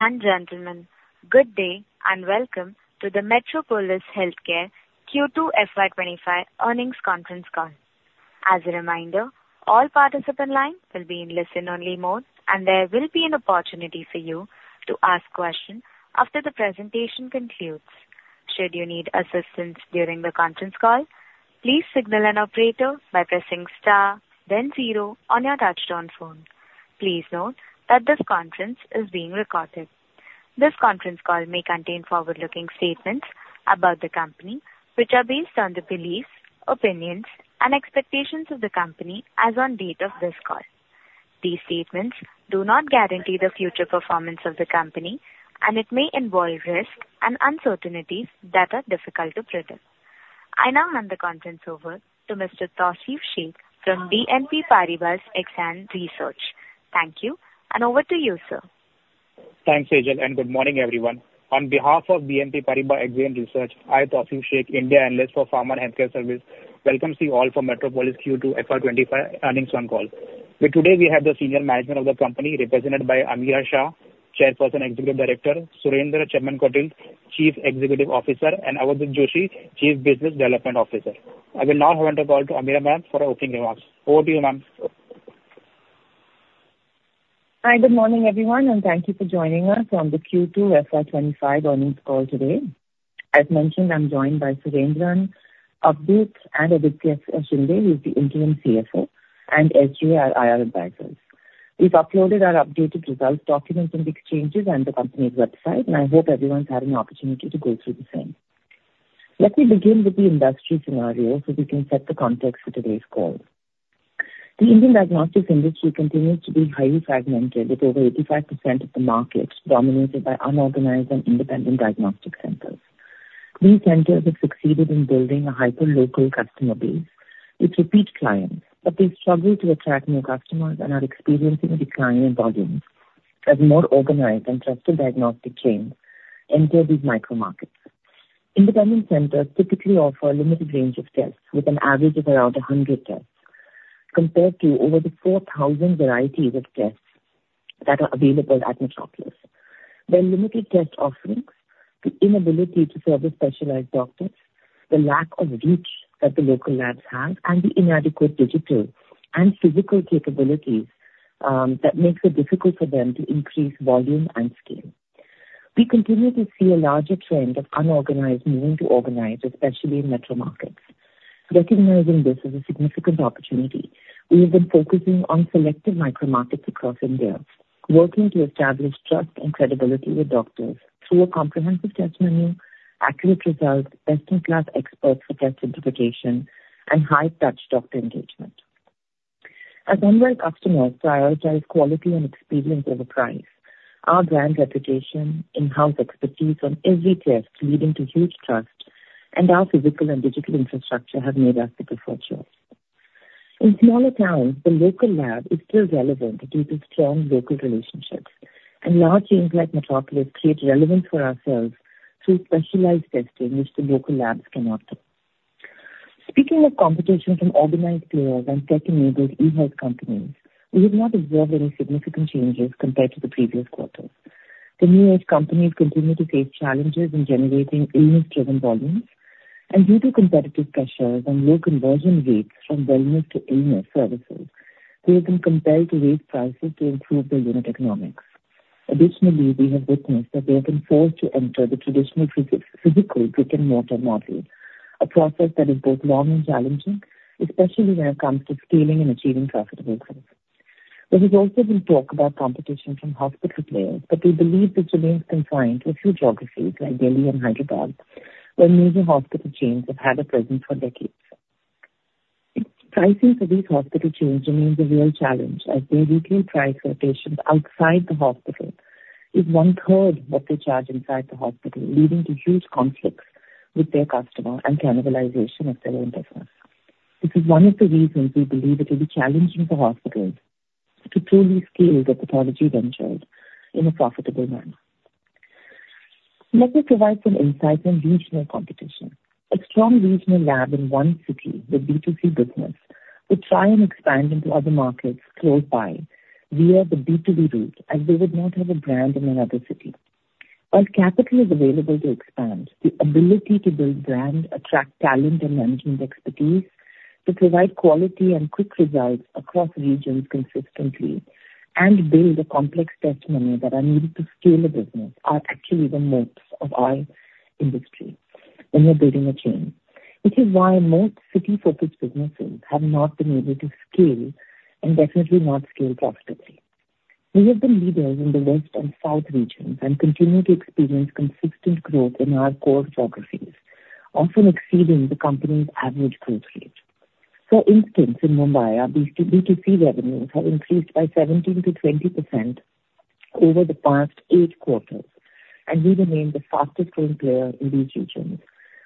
Gentlemen, good day and welcome to the Metropolis Healthcare Q2 FY 2025 earnings conference call. As a reminder, all participants' lines will be in listen-only mode, and there will be an opportunity for you to ask questions after the presentation concludes. Should you need assistance during the conference call, please signal an operator by pressing star, then zero on your touch-tone phone. Please note that this conference is being recorded. This conference call may contain forward-looking statements about the company, which are based on the beliefs, opinions, and expectations of the company as on the date of this call. These statements do not guarantee the future performance of the company, and it may involve risks and uncertainties that are difficult to predict. I now hand the conference over to Mr. Tausif Shaikh from BNP Paribas Exane Research. Thank you, and over to you, sir. Thanks, Akhil, and good morning, everyone. On behalf of BNP Paribas Exane Research, I, Tausif Shaikh, India analyst for Pharma and Healthcare Service, welcome to you all for Metropolis Q2 FY 2025 earnings call. Today, we have the senior management of the company, represented by Ameera Shah, Chairperson and Executive Director, Surendran Chemmenkotil, Chief Executive Officer, and Avadhut Joshi, Chief Business Development Officer. I will now hand the call to Ameera, ma'am, for her opening remarks. Over to you, ma'am. Hi, good morning, everyone, and thank you for joining us on the Q2 FY 2025 earnings call today. As mentioned, I'm joined by Surendran and Avadhut and Aditya Shinde, who's the Interim CFO, and SGA IR advisors. We've uploaded our updated results documents and annexures on the company's website, and I hope everyone's had an opportunity to go through the same. Let me begin with the industry scenario so we can set the context for today's call. The Indian diagnostics industry continues to be highly fragmented, with over 85% of the market dominated by unorganized and independent diagnostic centers. These centers have succeeded in building a hyper-local customer base with repeat clients, but they struggle to attract new customers and are experiencing a decline in volumes as more organized and trusted diagnostic chains enter these micro-markets. Independent centers typically offer a limited range of tests, with an average of around 100 tests, compared to over 4,000 varieties of tests that are available at Metropolis. Their limited test offerings, the inability to service specialized doctors, the lack of reach that the local labs have, and the inadequate digital and physical capabilities make it difficult for them to increase volume and scale. We continue to see a larger trend of unorganized moving to organized, especially in metro markets. Recognizing this as a significant opportunity, we have been focusing on selective micro-markets across India, working to establish trust and credibility with doctors through a comprehensive test menu, accurate results, best-in-class experts for test interpretation, and high-touch doctor engagement. As ongoing customers prioritize quality and experience over price, our brand reputation, in-house expertise on every test leading to huge trust, and our physical and digital infrastructure have made us the preferred choice. In smaller towns, the local lab is still relevant due to strong local relationships, and large teams like Metropolis create relevance for ourselves through specialized testing, which the local labs cannot do. Speaking of competition from organized players and tech-enabled e-health companies, we have not observed any significant changes compared to the previous quarters. The new-age companies continue to face challenges in generating illness-driven volumes, and due to competitive pressures and low conversion rates from wellness to illness services, they have been compelled to raise prices to improve their unit economics. Additionally, we have witnessed that they have been forced to enter the traditional physical brick-and-mortar model, a process that is both long and challenging, especially when it comes to scaling and achieving profitable sales. There has also been talk about competition from hospital players, but we believe this remains confined to a few geographies like Delhi and Hyderabad, where major hospital chains have had a presence for decades. Pricing for these hospital chains remains a real challenge, as their walk-in price for patients outside the hospital is one-third of what they charge inside the hospital, leading to huge conflicts with their customer and cannibalization of their own business. This is one of the reasons we believe it will be challenging for hospitals to truly scale the pathology ventures in a profitable manner. Let me provide some insights on regional competition. A strong regional lab in one city with B2C business would try and expand into other markets close by via the B2B route, as they would not have a brand in another city. While capital is available to expand, the ability to build brand, attract talent, and management expertise to provide quality and quick results across regions consistently and build the complex test menu that are needed to scale a business are actually the moats of our industry when we're building a chain. This is why most city-focused businesses have not been able to scale and definitely not scale profitably. We have been leaders in the west and south regions and continue to experience consistent growth in our core geographies, often exceeding the company's average growth rate. For instance, in Mumbai, our B2C revenues have increased by 17%-20% over the past eight quarters, and we remain the fastest-growing player in these regions,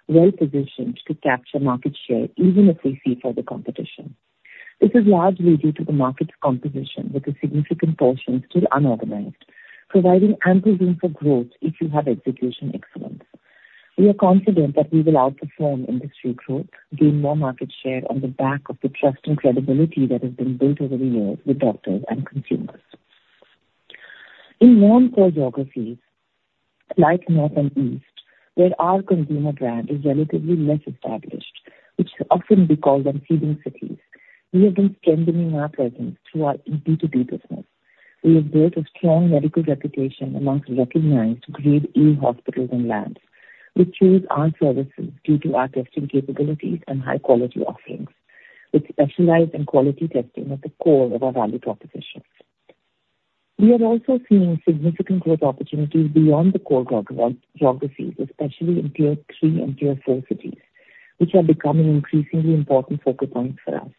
well-positioned to capture market share even if we see further competition. This is largely due to the market's composition, with a significant portion still unorganized, providing ample room for growth if you have execution excellence. We are confident that we will outperform industry growth, gain more market share on the back of the trust and credibility that has been built over the years with doctors and consumers. In warm core geographies like North and East, where our consumer brand is relatively less established, which often we call them feeding cities, we have been strengthening our presence through our B2B business. We have built a strong medical reputation amongst recognized grade A hospitals and labs. We choose our services due to our testing capabilities and high-quality offerings, with specialized and quality testing at the core of our value proposition. We are also seeing significant growth opportunities beyond the core geographies, especially in tier three and tier four cities, which are becoming increasingly important focal points for us.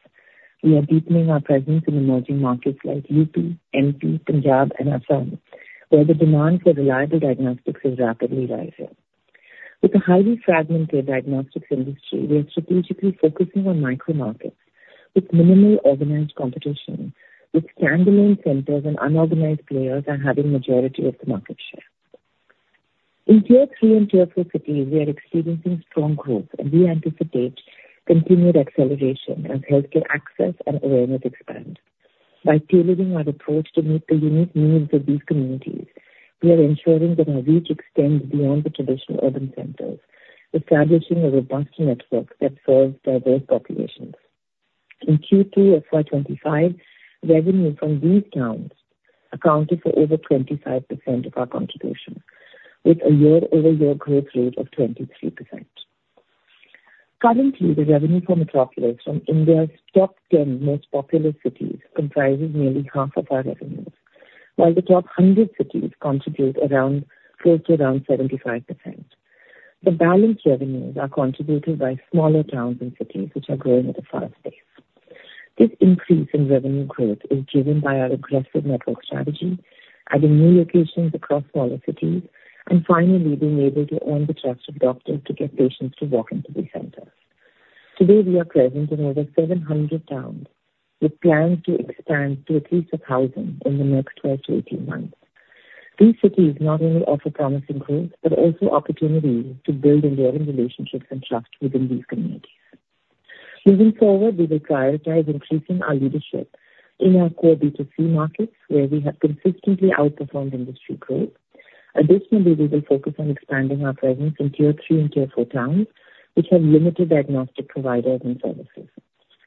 We are deepening our presence in emerging markets like UP, MP, Punjab, and Assam, where the demand for reliable diagnostics is rapidly rising. With a highly fragmented diagnostics industry, we are strategically focusing on micro-markets with minimal organized competition, with standalone centers and unorganized players having the majority of the market share. In tier three and tier four cities, we are experiencing strong growth, and we anticipate continued acceleration as healthcare access and awareness expand. By tailoring our approach to meet the unique needs of these communities, we are ensuring that our reach extends beyond the traditional urban centers, establishing a robust network that serves diverse populations. In Q2 FY 2025, revenue from these towns accounted for over 25% of our contribution, with a year-over-year growth rate of 23%. Currently, the revenue for Metropolis from India's top 10 most popular cities comprises nearly half of our revenues, while the top 100 cities contribute close to around 75%. The balanced revenues are contributed by smaller towns and cities, which are growing at a fast pace. This increase in revenue growth is driven by our aggressive network strategy, adding new locations across smaller cities, and finally being able to earn the trust of doctors to get patients to walk into these centers. Today, we are present in over 700 towns with plans to expand to at least 1,000 in the next 12-18 months. These cities not only offer promising growth but also opportunities to build enduring relationships and trust within these communities. Moving forward, we will prioritize increasing our leadership in our core B2C markets, where we have consistently outperformed industry growth. Additionally, we will focus on expanding our presence in tier three and tier four towns, which have limited diagnostic providers and services.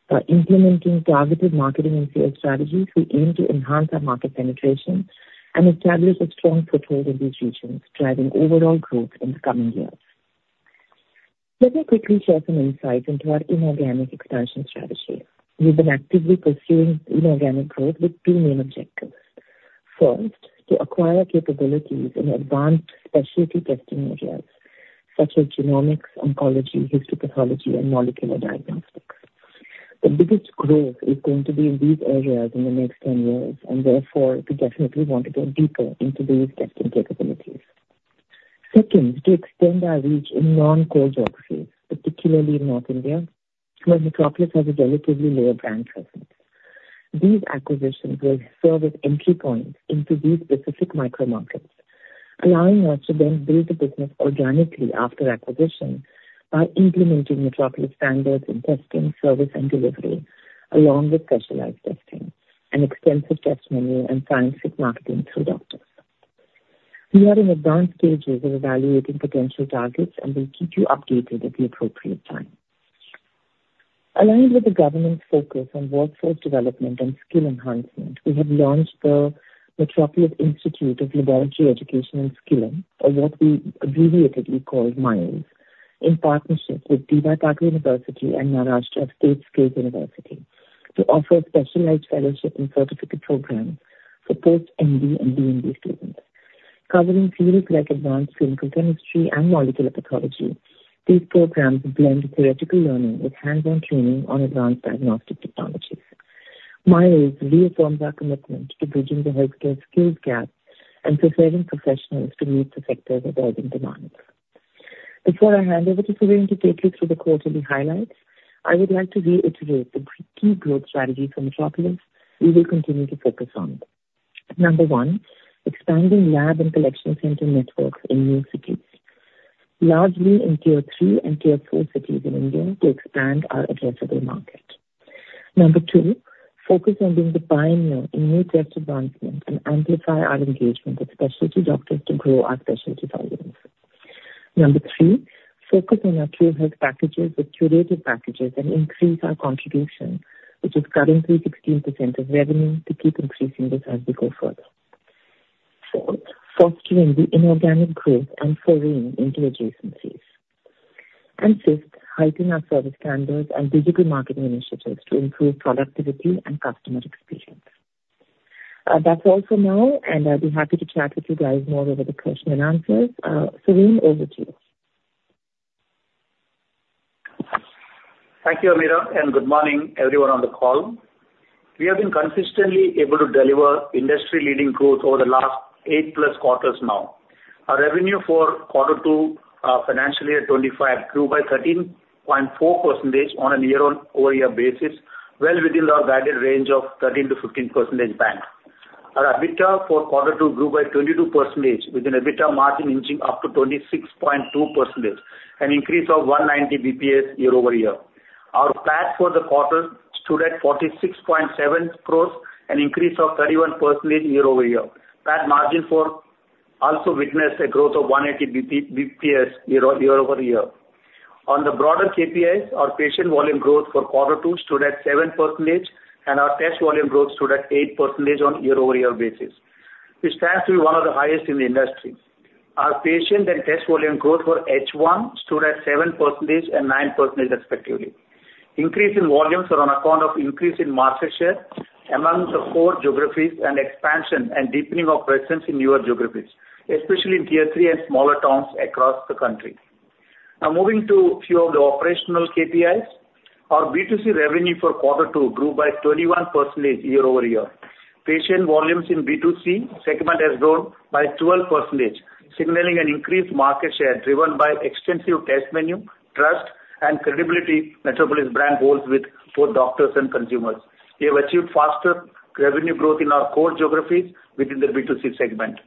By implementing targeted marketing and sales strategies, we aim to enhance our market penetration and establish a strong foothold in these regions, driving overall growth in the coming years. Let me quickly share some insights into our inorganic expansion strategy. We've been actively pursuing inorganic growth with two main objectives. First, to acquire capabilities in advanced specialty testing areas such as genomics, oncology, histopathology, and molecular diagnostics. The biggest growth is going to be in these areas in the next 10 years, and therefore, we definitely want to go deeper into these testing capabilities. Second, to extend our reach in non-core geographies, particularly in North India, where Metropolis has a relatively lower brand presence. These acquisitions will serve as entry points into these specific micro-markets, allowing us to then build a business organically after acquisition by implementing Metropolis standards in testing, service, and delivery, along with specialized testing and extensive test menu and scientific marketing through doctors. We are in advanced stages of evaluating potential targets, and we'll keep you updated at the appropriate time. Aligned with the government's focus on workforce development and skill enhancement, we have launched the Metropolis Institute of Laboratory Education and Skilling, or what we abbreviatedly call MiLES, in partnership with Datta Meghe University and Maharashtra State Skills University to offer specialized fellowship and certificate programs for post-MD and DM students. Covering fields like advanced clinical chemistry and molecular pathology, these programs blend theoretical learning with hands-on training on advanced diagnostic technologies. MiLES reaffirms our commitment to bridging the healthcare skills gap and preparing professionals to meet the sector's evolving demands. Before I hand over to Surendran to take you through the quarterly highlights, I would like to reiterate the key growth strategies for Metropolis. We will continue to focus on it. Number one, expanding lab and collection center networks in new cities, largely in tier three and tier four cities in India to expand our addressable market. Number two, focus on being the pioneer in new test advancements and amplify our engagement with specialty doctors to grow our specialty volumes. Number three, focus on our TruHealth Packages with curated packages and increase our contribution, which is currently 16% of revenue, to keep increasing this as we go further. Fourth, fostering the inorganic growth and foray into adjacencies. And fifth, heighten our service standards and digital marketing initiatives to improve productivity and customer experience. That's all for now, and I'll be happy to chat with you guys more over the question and answers. Surendran, over to you. Thank you, Ameera, and good morning, everyone on the call. We have been consistently able to deliver industry-leading growth over the last eight-plus quarters now. Our revenue for quarter two of financial year 2025 grew by 13.4% on a year-over-year basis, well within our guided range of 13 to 15 percentage points. Our EBITDA for quarter two grew by 22%, with an EBITDA margin inching up to 26.2%, an increase of 190 basis points year-over-year. Our PAT for the quarter stood at 46.7 crores, an increase of 31% year-over-year. PAT margin also witnessed a growth of 180 basis points year-over-year. On the broader KPIs, our patient volume growth for quarter two stood at 7%, and our test volume growth stood at 8% on a year-over-year basis, which stands to be one of the highest in the industry. Our patient and test volume growth for H1 stood at 7% and 9%, respectively. Increase in volumes are on account of increase in market share among the core geographies and expansion and deepening of presence in newer geographies, especially in tier three and smaller towns across the country. Now, moving to a few of the operational KPIs, our B2C revenue for quarter two grew by 21% year-over-year. Patient volumes in B2C segment have grown by 12%, signaling an increased market share driven by extensive test menu, trust, and credibility Metropolis brand holds with both doctors and consumers. We have achieved faster revenue growth in our core geographies within the B2C segment.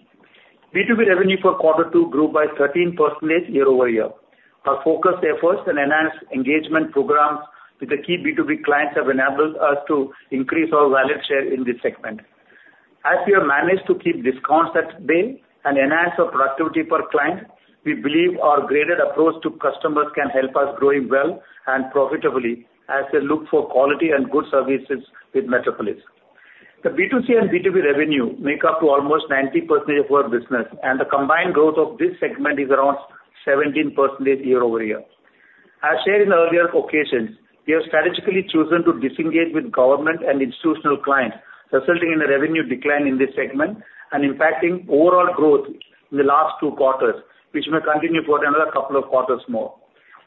B2B revenue for quarter two grew by 13% year-over-year. Our focused efforts and enhanced engagement programs with the key B2B clients have enabled us to increase our value share in this segment. As we have managed to keep discounts at bay and enhance our productivity per client, we believe our graded approach to customers can help us grow well and profitably as they look for quality and good services with Metropolis. The B2C and B2B revenue make up to almost 90% of our business, and the combined growth of this segment is around 17% year-over-year. As shared in earlier occasions, we have strategically chosen to disengage with government and institutional clients, resulting in a revenue decline in this segment and impacting overall growth in the last two quarters, which may continue for another couple of quarters more.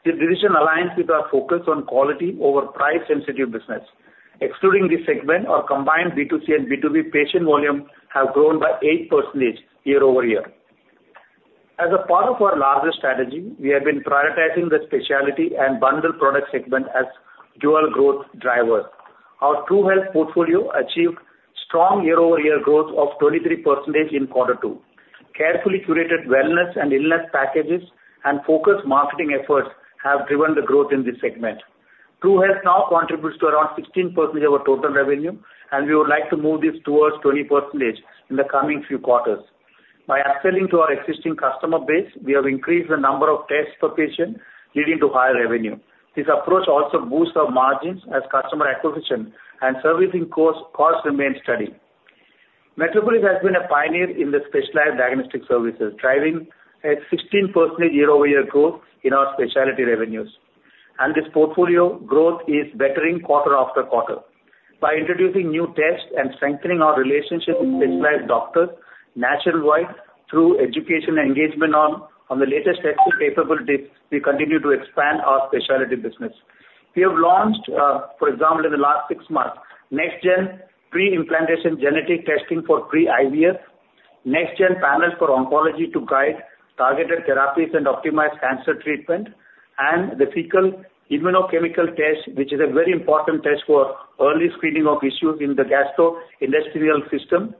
This decision aligns with our focus on quality over price-sensitive business. Excluding this segment, our combined B2C and B2B patient volume have grown by 8% year-over-year. As a part of our larger strategy, we have been prioritizing the specialty and bundle product segment as dual growth drivers. Our TruHealth portfolio achieved strong year-over-year growth of 23% in quarter two. Carefully curated wellness and illness packages and focused marketing efforts have driven the growth in this segment. TruHealth now contributes to around 16% of our total revenue, and we would like to move this towards 20% in the coming few quarters. By upselling to our existing customer base, we have increased the number of tests per patient, leading to higher revenue. This approach also boosts our margins as customer acquisition and servicing costs remain steady. Metropolis has been a pioneer in the specialized diagnostic services, driving a 16% year-over-year growth in our specialty revenues, and this portfolio growth is bettering quarter after quarter. By introducing new tests and strengthening our relationship with specialized doctors nationwide through education and engagement on the latest testing capabilities, we continue to expand our specialty business. We have launched, for example, in the last six months, NextGen Pre-implantation Genetic Testing for pre-IVF, NextGen Panels for oncology to guide targeted therapies and optimize cancer treatment, and the Fecal Immunochemical Test, which is a very important test for early screening of issues in the gastrointestinal system.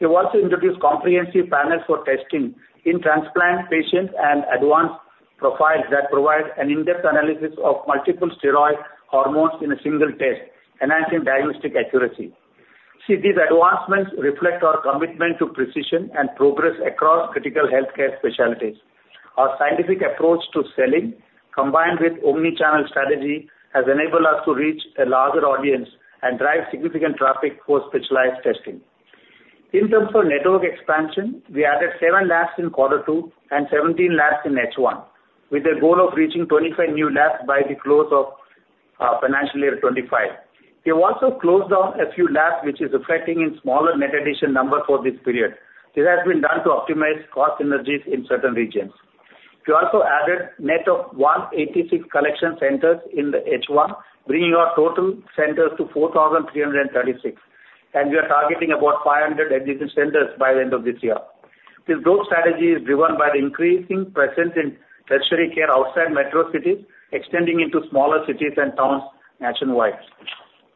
We have also introduced comprehensive panels for testing in transplant patients and advanced profiles that provide an in-depth analysis of multiple steroid hormones in a single test, enhancing diagnostic accuracy. See, these advancements reflect our commitment to precision and progress across critical healthcare specialties. Our scientific approach to selling, combined with omnichannel strategy, has enabled us to reach a larger audience and drive significant traffic for specialized testing. In terms of network expansion, we added seven labs in quarter two and 17 labs in H1, with the goal of reaching 25 new labs by the close of financial year 2025. We have also closed down a few labs, which is affecting a smaller net addition number for this period. This has been done to optimize cost synergies in certain regions. We also added a net of 186 collection centers in H1, bringing our total centers to 4,336, and we are targeting about 500 additional centers by the end of this year. This growth strategy is driven by the increasing presence in tertiary care outside metro cities, extending into smaller cities and towns nationwide.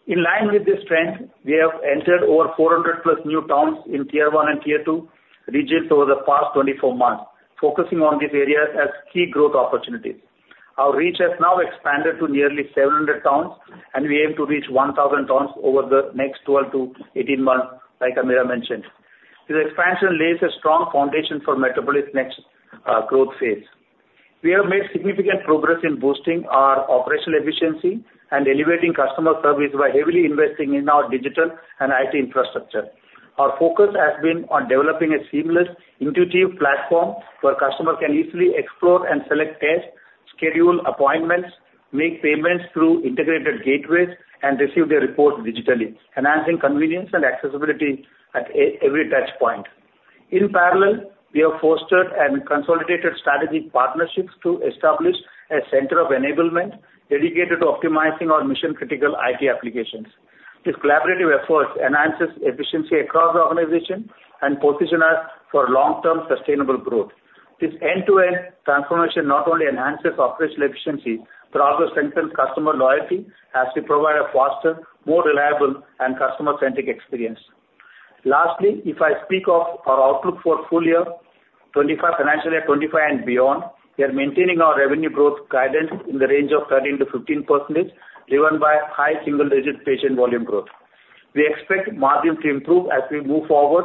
In line with this trend, we have entered over 400-plus new towns in tier one and tier two regions over the past 24 months, focusing on these areas as key growth opportunities. Our reach has now expanded to nearly 700 towns, and we aim to reach 1,000 towns over the next 12 to 18 months, like Ameera mentioned. This expansion lays a strong foundation for Metropolis' next growth phase. We have made significant progress in boosting our operational efficiency and elevating customer service by heavily investing in our digital and IT infrastructure. Our focus has been on developing a seamless, intuitive platform where customers can easily explore and select tests, schedule appointments, make payments through integrated gateways, and receive their reports digitally, enhancing convenience and accessibility at every touchpoint. In parallel, we have fostered and consolidated strategic partnerships to establish a center of enablement dedicated to optimizing our mission-critical IT applications. This collaborative effort enhances efficiency across the organization and positions us for long-term sustainable growth. This end-to-end transformation not only enhances operational efficiency but also strengthens customer loyalty as we provide a faster, more reliable, and customer-centric experience. Lastly, if I speak of our outlook for full year, financial year 2025 and beyond, we are maintaining our revenue growth guidance in the range of 13%-15%, driven by high single-digit patient volume growth. We expect margins to improve as we move forward,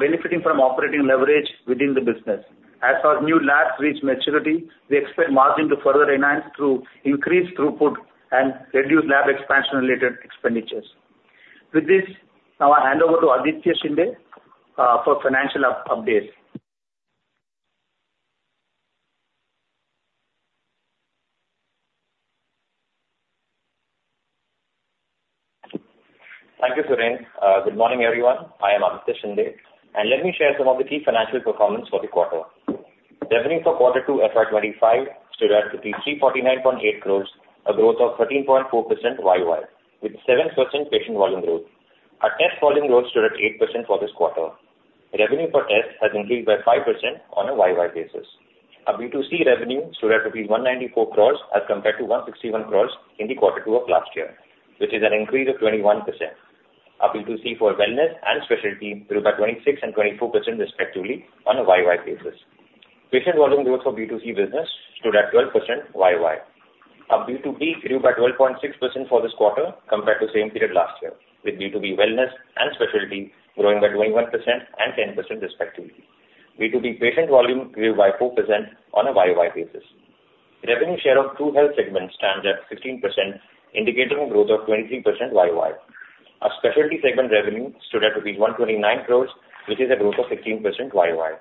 benefiting from operating leverage within the business. As our new labs reach maturity, we expect margin to further enhance through increased throughput and reduce lab expansion-related expenditures. With this, I'll hand over to Aditya Shinde for financial updates. Thank you, Surendran. Good morning, everyone. I am Aditya Shinde, and let me share some of the key financial performance for the quarter. Revenue for quarter two FY 2025 stood at 349.8 crores, a growth of 13.4% YoY, with 7% patient volume growth. Our test volume growth stood at 8% for this quarter. Revenue per test has increased by 5% on a YoY basis. Our B2C revenue stood at 194 crores as compared to 161 crores in the quarter two of last year, which is an increase of 21%. Our B2C for wellness and specialty grew by 26% and 24%, respectively, on a YoY basis. Patient volume growth for B2C business stood at 12% YoY. Our B2B grew by 12.6% for this quarter compared to the same period last year, with B2B wellness and specialty growing by 21% and 10%, respectively. B2B patient volume grew by 4% on a YoY basis. Revenue share of TruHealth segment stands at 16%, indicating a growth of 23% YoY. Our specialty segment revenue stood at rupees 129 crores, which is a growth of 16% YoY.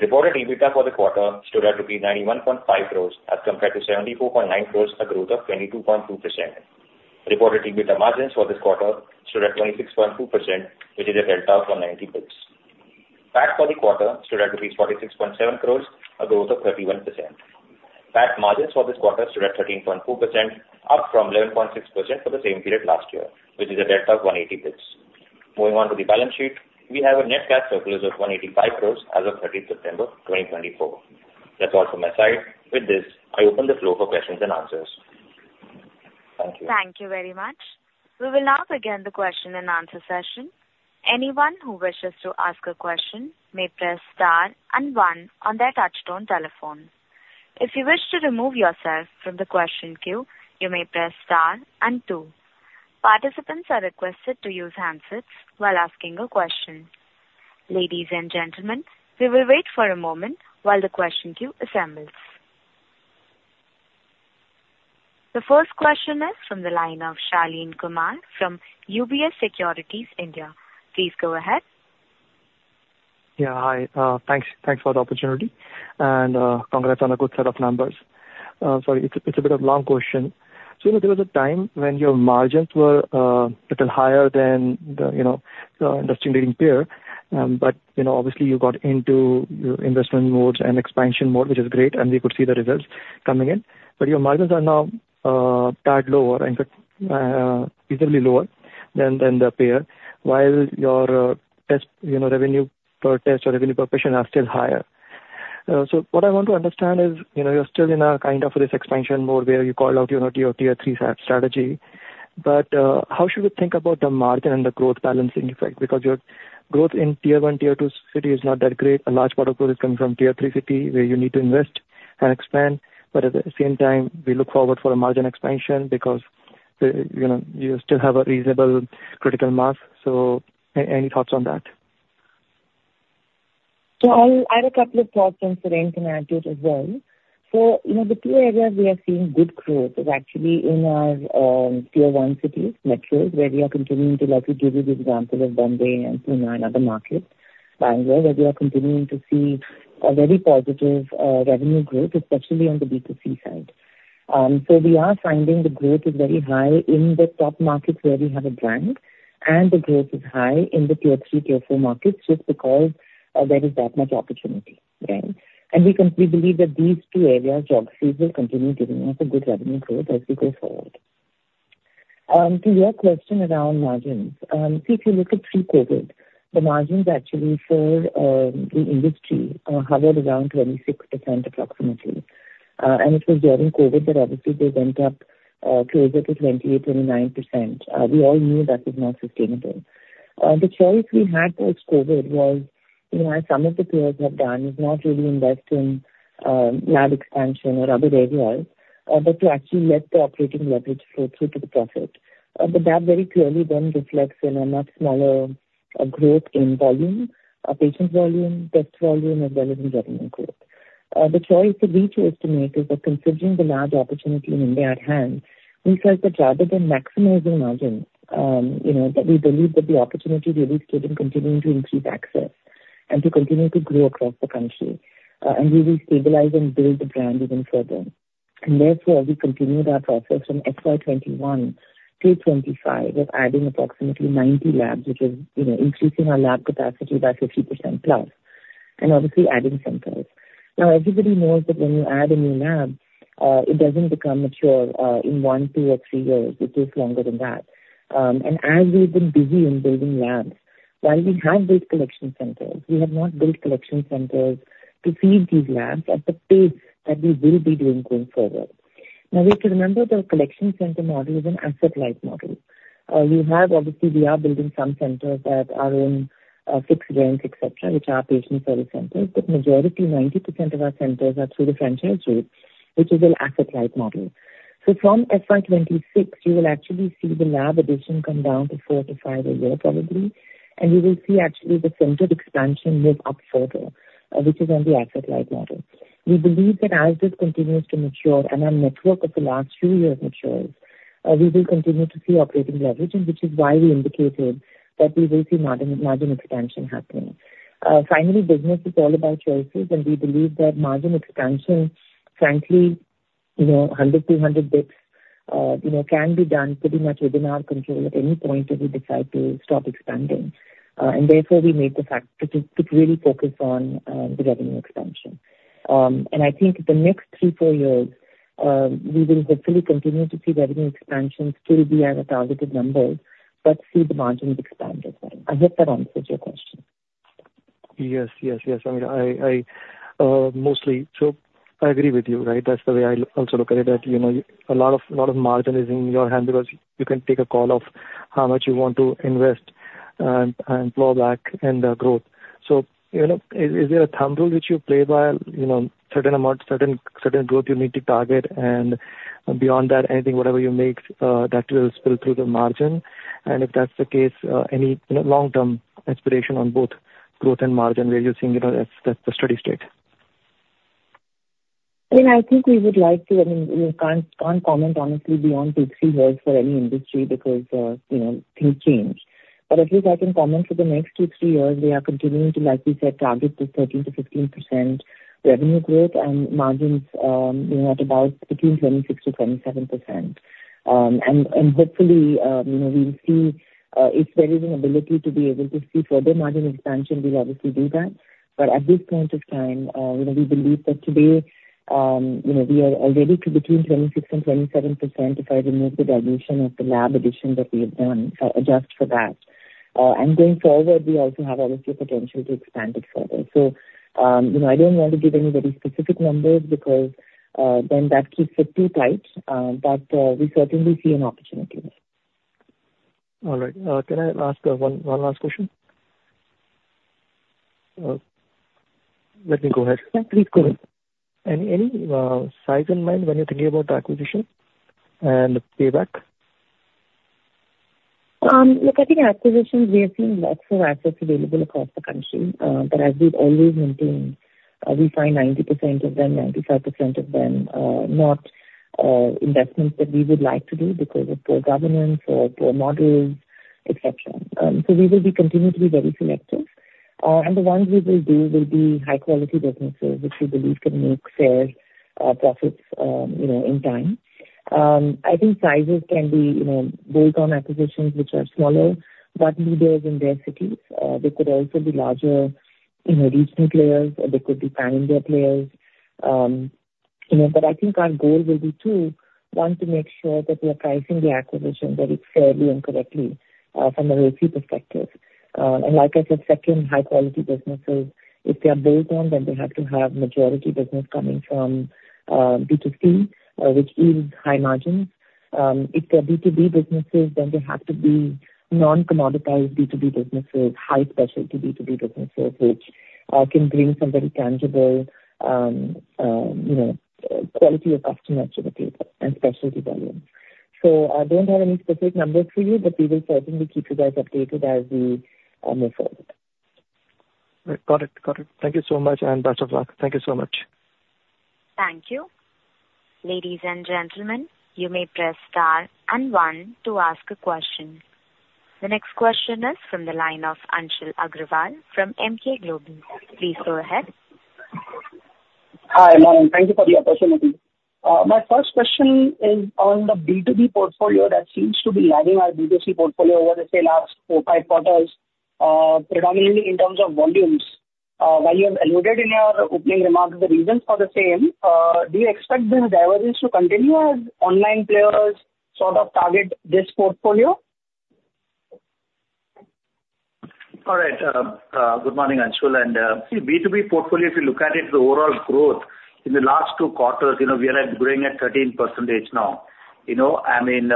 Reported EBITDA for the quarter stood at rupees 91.5 crores as compared to 74.9 crores, a growth of 22.2%. Reported EBITDA margins for this quarter stood at 26.2%, which is a delta of 190 basis points. PAT for the quarter stood at 46.7 crores, a growth of 31%. PAT margins for this quarter stood at 13.4%, up from 11.6% for the same period last year, which is a delta of 180 basis points. Moving on to the balance sheet, we have a net cash surplus of 185 crores as of 30 September 2024. That's all from my side. With this, I open the floor for questions and answers. Thank you. Thank you very much. We will now begin the question-and-answer session. Anyone who wishes to ask a question may press star and one on their touch-tone telephone. If you wish to remove yourself from the question queue, you may press star and two. Participants are requested to use handsets while asking a question. Ladies and gentlemen, we will wait for a moment while the question queue assembles. The first question is from the line of Shaleen Kumar from UBS Securities India. Please go ahead. Yeah, hi. Thanks for the opportunity, and congrats on a good set of numbers. Sorry, it's a bit of a long question. So there was a time when your margins were a little higher than the industry-leading peer, but obviously, you got into investment modes and expansion mode, which is great, and we could see the results coming in. But your margins are now tad lower, in fact, visibly lower than the peer, while your revenue per test or revenue per patient are still higher. So what I want to understand is you're still in a kind of this expansion mode where you called out your tier three strategy. But how should we think about the margin and the growth balancing effect? Because your growth in tier one, tier two cities is not that great. A large part of growth is coming from tier three cities, where you need to invest and expand. But at the same time, we look forward for a margin expansion because you still have a reasonable critical mass. So any thoughts on that? So I have a couple of thoughts on Surendran to add to it as well. The two areas we are seeing good growth is actually in our tier one cities, metros, where we are continuing to, like, you gave the example of Mumbai and Pune and other markets, Bengaluru, where we are continuing to see a very positive revenue growth, especially on the B2C side. So we are finding the growth is very high in the top markets where we have a brand, and the growth is high in the tier three, tier four markets just because there is that much opportunity, right? And we believe that these two areas, geographies, will continue giving us a good revenue growth as we go forward. To your question around margins, see, if you look at pre-COVID, the margins actually for the industry hovered around 26% approximately. And it was during COVID that, obviously, they went up closer to 28%, 29%. We all knew that was not sustainable. The choice we had post-COVID was, as some of the peers have done, is not really invest in lab expansion or other areas, but to actually let the operating leverage flow through to the profit, but that very clearly then reflects in a much smaller growth in volume, patient volume, test volume, as well as in revenue growth. The choice that we chose to make is that, considering the large opportunity in India at hand, we felt that rather than maximizing margins, that we believe that the opportunity really stood in continuing to increase access and to continue to grow across the country and really stabilize and build the brand even further, and therefore, we continued our process from FY 2021 to FY 2025 of adding approximately 90 labs, which was increasing our lab capacity by 50% plus, and obviously adding centers. Now, everybody knows that when you add a new lab, it doesn't become mature in one, two, or three years. It takes longer than that. And as we've been busy in building labs, while we have built collection centers, we have not built collection centers to feed these labs at the pace that we will be doing going forward. Now, we have to remember the collection center model is an asset-like model. We have, obviously, we are building some centers at our own fixed rent, etc., which are patient service centers, but the majority, 90% of our centers are through the franchise route, which is an asset-like model. So from FY 2026, you will actually see the lab addition come down to four to five a year, probably, and you will see actually the center expansion move up further, which is on the asset-like model. We believe that as this continues to mature and our network of the last few years matures, we will continue to see operating leverage, which is why we indicated that we will see margin expansion happening. Finally, business is all about choices, and we believe that margin expansion, frankly, 100-200 basis points can be done pretty much within our control at any point if we decide to stop expanding, and therefore we made the call to really focus on the revenue expansion. I think the next three, four years, we will hopefully continue to see revenue expansion still be at a targeted number, but see the margins expand as well. I hope that answers your question. Yes, yes, yes. I mean, mostly. I agree with you, right? That's the way I also look at it, that a lot of margin is in your hand because you can take a call of how much you want to invest and claw back in the growth. So is there a thumb rule which you play by? Certain amount, certain growth you need to target, and beyond that, anything, whatever you make, that will spill through the margin, and if that's the case, any long-term aspiration on both growth and margin, where you're seeing that's the steady state? I mean, I think we would like to, I mean, we can't comment, honestly, beyond two, three years for any industry because things change, but at least I can comment for the next two, three years, we are continuing to, like we said, target the 13%-15% revenue growth and margins at about between 26%-27%. And hopefully, we'll see if there is an ability to be able to see further margin expansion, we'll obviously do that. But at this point of time, we believe that today we are already between 26%-27% if I remove the dilution of the lab addition that we have done just for that. And going forward, we also have obviously potential to expand it further. So I don't want to give anybody specific numbers because then that keeps it too tight, but we certainly see an opportunity. All right. Can I ask one last question? Let me go ahead. Yeah, please go ahead. Any size in mind when you're thinking about the acquisition and the payback? Look, I think acquisitions, we have seen lots of assets available across the country, but as we've always maintained, we find 90% of them, 95% of them not investments that we would like to do because of poor governance or poor models, etc. So we will be continuing to be very selective. And the ones we will do will be high-quality businesses, which we believe can make fair profits in time. I think sizes can be both on acquisitions, which are smaller, but leaders in their cities. They could also be larger regional players, or they could be pan-India players. But I think our goal will be to, one, to make sure that we are pricing the acquisition very fairly and correctly from a rate perspective. And like I said, second, high-quality businesses, if they are built on, then they have to have majority business coming from B2C, which is high margins. If they are B2B businesses, then they have to be non-commoditized B2B businesses, high-specialty B2B businesses, which can bring some very tangible quality of customer to the table and specialty volume. So I don't have any specific numbers for you, but we will certainly keep you guys updated as we move forward. Got it. Got it. Thank you so much, and best of luck. Thank you so much. Thank you. Ladies and gentlemen, you may press star and one to ask a question. The next question is from the line of Anshul Agrawal from Emkay Global. Please go ahead. Hi, morning. Thank you for the opportunity. My first question is on the B2B portfolio that seems to be lagging our B2C portfolio over, let's say, last four, five quarters, predominantly in terms of volumes. While you have alluded in your opening remarks, the reasons for the same. Do you expect this divergence to continue as online players sort of target this portfolio? All right. Good morning, Anshul. And see, B2B portfolio, if you look at it, the overall growth in the last two quarters, we are growing at 13% each now. I mean,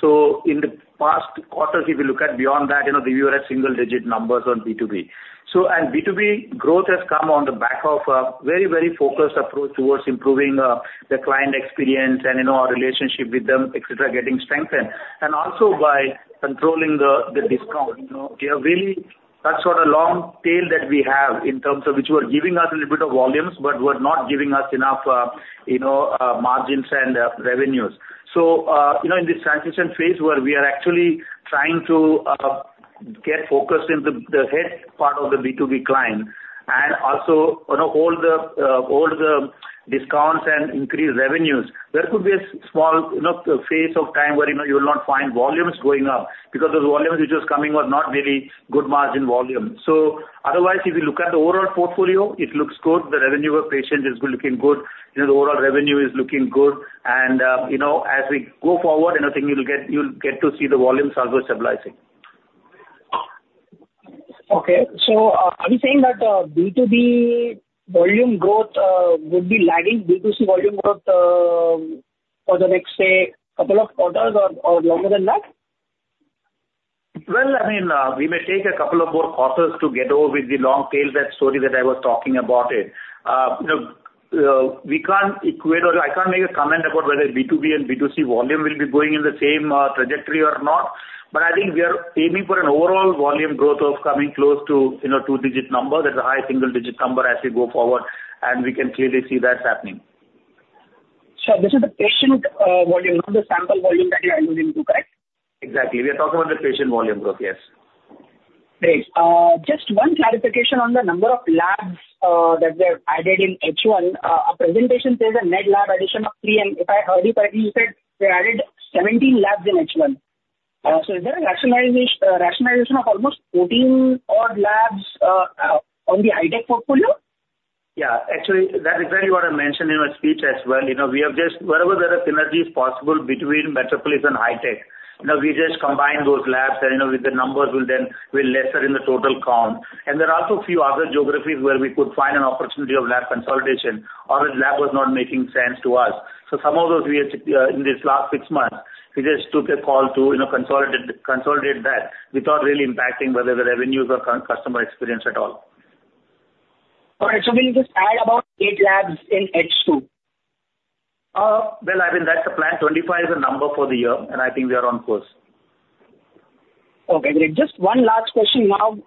so in the past quarters, if you look at beyond that, we were at single-digit numbers on B2B. And B2B growth has come on the back of a very, very focused approach towards improving the client experience and our relationship with them, etc., getting strengthened. And also by controlling the discount. That's sort of a long tail that we have in terms of which were giving us a little bit of volumes, but were not giving us enough margins and revenues. So in this transition phase where we are actually trying to get focused in the head part of the B2B client and also hold the discounts and increase revenues, there could be a small phase of time where you will not find volumes going up because those volumes which are coming were not really good margin volume. So otherwise, if you look at the overall portfolio, it looks good. The revenue of patients is looking good. The overall revenue is looking good. And as we go forward, I think you'll get to see the volumes also stabilizing. Okay. So are you saying that B2B volume growth would be lagging B2C volume growth for the next, say, couple of quarters or longer than that? Well, I mean, we may take a couple of more quarters to get over with the long tail that story that I was talking about it. We can't equate or I can't make a comment about whether B2B and B2C volume will be going in the same trajectory or not. But I think we are aiming for an overall volume growth of coming close to two-digit numbers. That's a high single-digit number as we go forward, and we can clearly see that's happening. So this is the patient volume, not the sample volume that you're alluding to, correct? Exactly. We are talking about the patient volume growth, yes. Great. Just one clarification on the number of labs that were added in H1. Our presentation says a net lab addition of three, and if I heard you correctly, you said they added 17 labs in H1. So is there a rationalization of almost 14-odd labs on the Hitech portfolio? Yeah. Actually, that is where you want to mention in your speech as well. We have just, wherever there are synergies possible between Metropolis and Hitech, we just combine those labs, and with the numbers, we'll lessen the total count, and there are also a few other geographies where we could find an opportunity of lab consolidation or the lab was not making sense to us, so some of those, in these last six months, we just took a call to consolidate that without really impacting either the revenues or customer experience at all. All right, so will you just add about eight labs in H2? Well, I mean, that's the plan. 25 is the number for the year, and I think we are on course. Okay. Great. Just one last question now.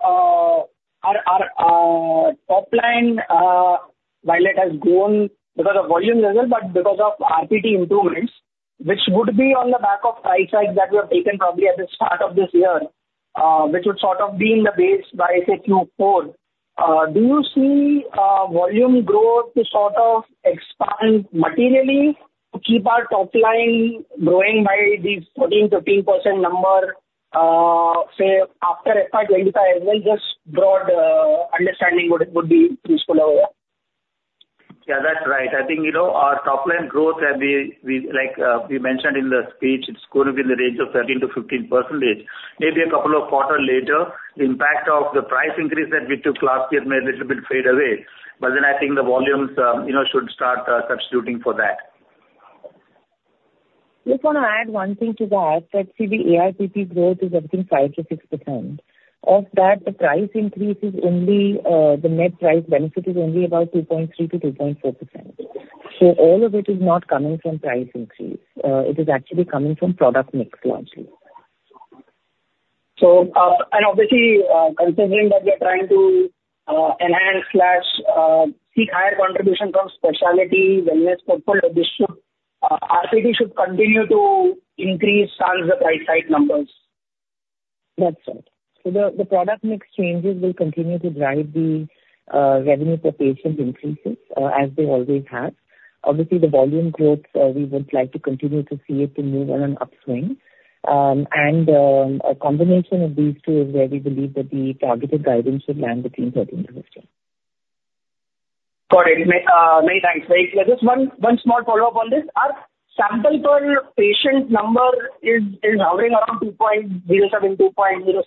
Our top line, while it has grown because of volume level, but because of RPT improvements, which would be on the back of price hikes that we have taken probably at the start of this year, which would sort of be in the base by, say, Q4. Do you see volume growth to sort of expand materially to keep our top line growing by these 14%-15% number, say, after FY 2025 as well? Just broad understanding would be useful over here. Yeah, that's right. I think our top line growth, as we mentioned in the speech, it's growing in the range of 13%-15%. Maybe a couple of quarters later, the impact of the price increase that we took last year may have a little bit faded away. But then I think the volumes should start substituting for that. Just want to add one thing to that. Let's see, the ARPP growth is, I think, 5%-6%. Of that, the price increase is only the net price benefit is only about 2.3%-2.4%. So all of it is not coming from price increase. It is actually coming from product mix largely. And obviously, considering that we are trying to enhance and seek higher contribution from specialty wellness portfolio, RPT should continue to increase some of the price hike numbers. That's right. So the product mix changes will continue to drive the revenue per patient increases as they always have. Obviously, the volume growth, we would like to continue to see it to move on an upswing. And a combination of these two is where we believe that the targeted guidance should land between 13 to 15. Got it. Many thanks. Just one small follow-up on this. Our sample per patient number is hovering around 2.07, 2.06 since three, four quarters.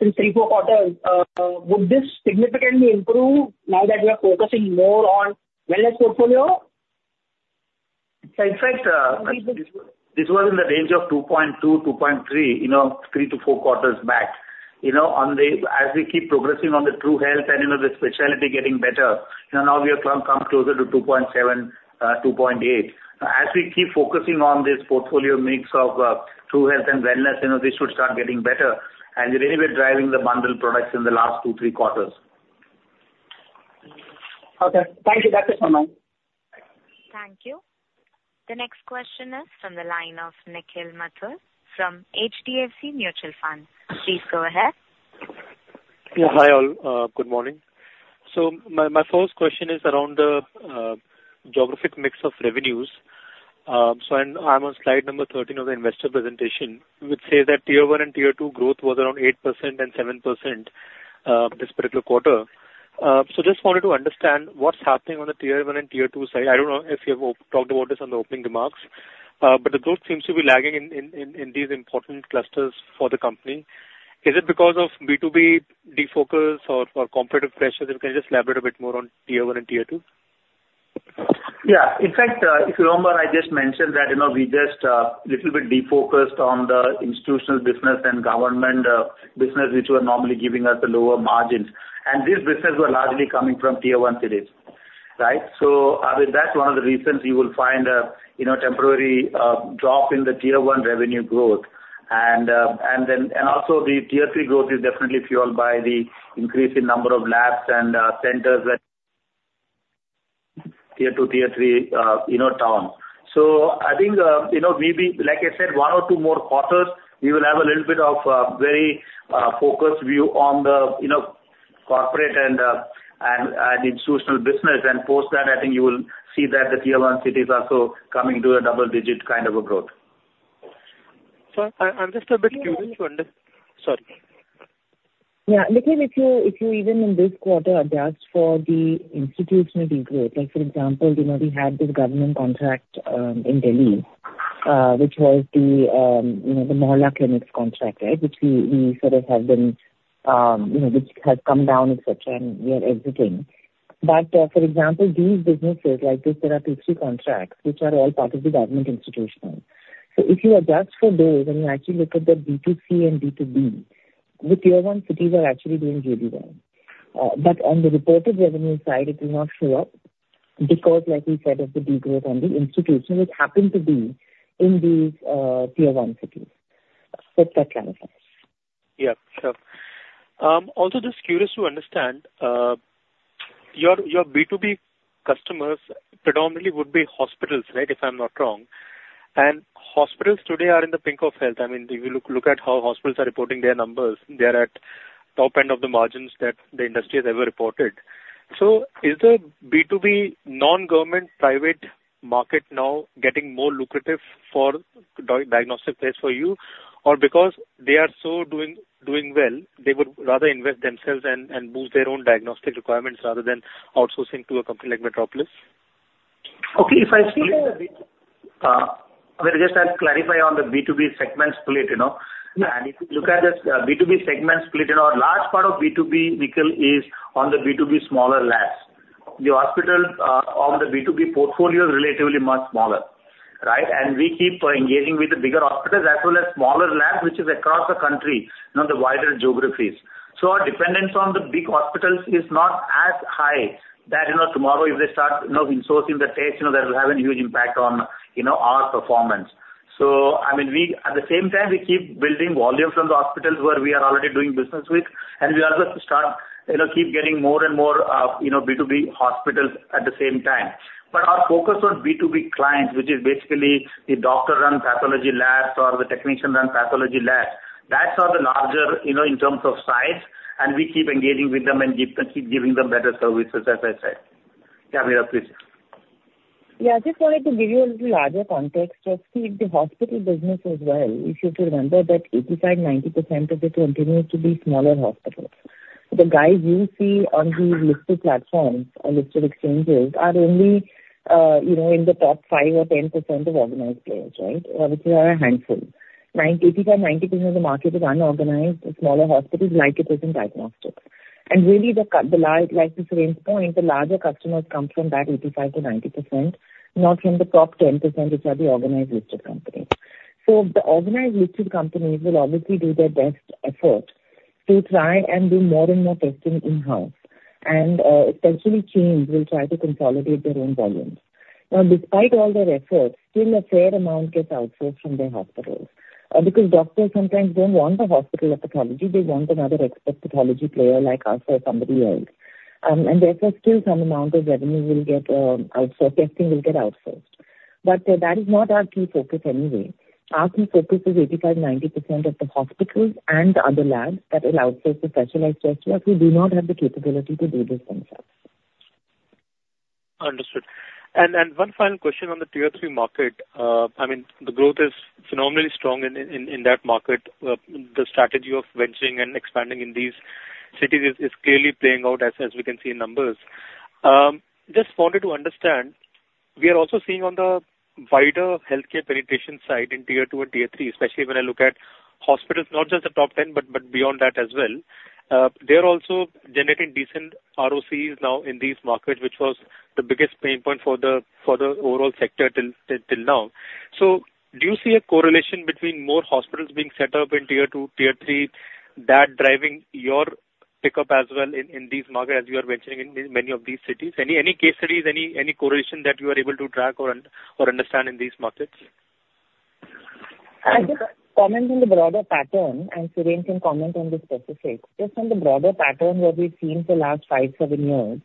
Would this significantly improve now that we are focusing more on wellness portfolio? In fact, this was in the range of 2.2, 2.3 three to four quarters back. As we keep progressing on the TruHealth and the specialty getting better, now we have come closer to 2.7, 2.8. As we keep focusing on this portfolio mix of TruHealth and Wellness, this should start getting better. And we're anyway driving the bundle products in the last two, three quarters. Okay. Thank you. That's it for mine. Thank you. The next question is from the line of Nikhil Mathur from HDFC Mutual Fund. Please go ahead. Yeah. Hi, all. Good morning. So my first question is around the geographic mix of revenues. So I'm on slide number 13 of the investor presentation. We would say that tier one and tier two growth was around 8% and 7% this particular quarter. So just wanted to understand what's happening on the tier one and tier two side. I don't know if you have talked about this on the opening remarks, but the growth seems to be lagging in these important clusters for the company. Is it because of B2B defocus or competitive pressure? Can you just elaborate a bit more on tier one and tier two? Yeah. Yeah. In fact, if you remember, I just mentioned that we just a little bit defocused on the institutional business and government business, which were normally giving us the lower margins. And these businesses were largely coming from tier one cities, right? So I mean, that's one of the reasons you will find a temporary drop in the tier one revenue growth. And then also the tier three growth is definitely fueled by the increase in number of labs and centers that tier two, tier three towns. So I think maybe, like I said, one or two more quarters, we will have a little bit of a very focused view on the corporate and institutional business. And post that, I think you will see that the tier one cities are also coming to a double-digit kind of a growth. So I'm just a bit curious to understand. Sorry. Yeah. Nikhil, if you even in this quarter adjust for the institutional growth, for example, we had this government contract in Delhi, which was the Mohalla Clinics contract, right, which we sort of have been which has come down, etc., and we are exiting. But for example, these businesses like this, there are two, three contracts which are all part of the government institutional. So if you adjust for those and you actually look at the B2C and B2B, the tier one cities are actually doing really well. But on the reported revenue side, it will not show up because, like we said, of the degrowth on the institutional, which happened to be in these tier one cities. Let that clarify. Yeah. Sure. Also, just curious to understand, your B2B customers predominantly would be hospitals, right, if I'm not wrong, and hospitals today are in the pink of health. I mean, if you look at how hospitals are reporting their numbers, they are at the top end of the margins that the industry has ever reported. So is the B2B non-government private market now getting more lucrative for diagnostic tests for you, or because they are so doing well, they would rather invest themselves and move their own diagnostic requirements rather than outsourcing to a company like Metropolis? Okay. If I see, I mean, just to clarify on the B2B segments split, and if you look at this B2B segment split, a large part of B2B, Nikhil, is on the B2B smaller labs. The hospital of the B2B portfolio is relatively much smaller, right? And we keep engaging with the bigger hospitals as well as smaller labs, which is across the country, the wider geographies. So our dependence on the big hospitals is not as high that tomorrow, if they start insourcing the tests, that will have a huge impact on our performance. So I mean, at the same time, we keep building volumes from the hospitals where we are already doing business with, and we also start keep getting more and more B2B hospitals at the same time. But our focus on B2B clients, which is basically the doctor-run pathology labs or the technician-run pathology labs, that's on the larger in terms of size. And we keep engaging with them and keep giving them better services, as I said. Yeah, please. Yeah. I just wanted to give you a little larger context just to see the hospital business as well. If you remember that 85%-90% of it continues to be smaller hospitals. The guys you see on these listed platforms or listed exchanges are only in the top five or 10% of organized players, right, which are a handful. 85-90% of the market is unorganized, smaller hospitals like it is in diagnostics. And really, like to Sareen's point, the larger customers come from that 85-90%, not from the top 10%, which are the organized listed companies. So the organized listed companies will obviously do their best effort to try and do more and more testing in-house. And especially teams will try to consolidate their own volumes. Now, despite all their efforts, still a fair amount gets outsourced from their hospitals because doctors sometimes don't want the hospital or pathology. They want another expert pathology player like us or somebody else. And therefore, still some amount of revenue will get outsourced. Testing will get outsourced. But that is not our key focus anyway. Our key focus is 85%-90% of the hospitals and other labs that will outsource the specialized test work who do not have the capability to do this themselves. Understood. And one final question on the tier three market. I mean, the growth is phenomenally strong in that market. The strategy of venturing and expanding in these cities is clearly playing out, as we can see in numbers. Just wanted to understand, we are also seeing on the wider healthcare penetration side in tier two and tier three, especially when I look at hospitals, not just the top 10, but beyond that as well. They are also generating decent ROCs now in these markets, which was the biggest pain point for the overall sector till now. Do you see a correlation between more hospitals being set up in tier two, tier three, that driving your pickup as well in these markets as you are venturing in many of these cities? Any case studies, any correlation that you are able to track or understand in these markets? I guess comment on the broader pattern, and Surendran can comment on the specifics. Just on the broader pattern that we've seen for the last five, seven years,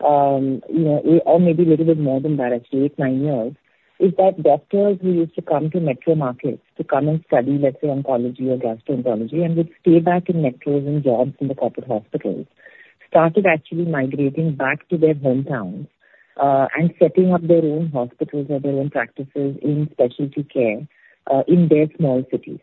or maybe a little bit more than that, actually, eight, nine years, is that doctors who used to come to metro markets to come and study, let's say, oncology or gastroenterology and would stay back in metros and jobs in the corporate hospitals started actually migrating back to their hometowns and setting up their own hospitals or their own practices in specialty care in their small cities.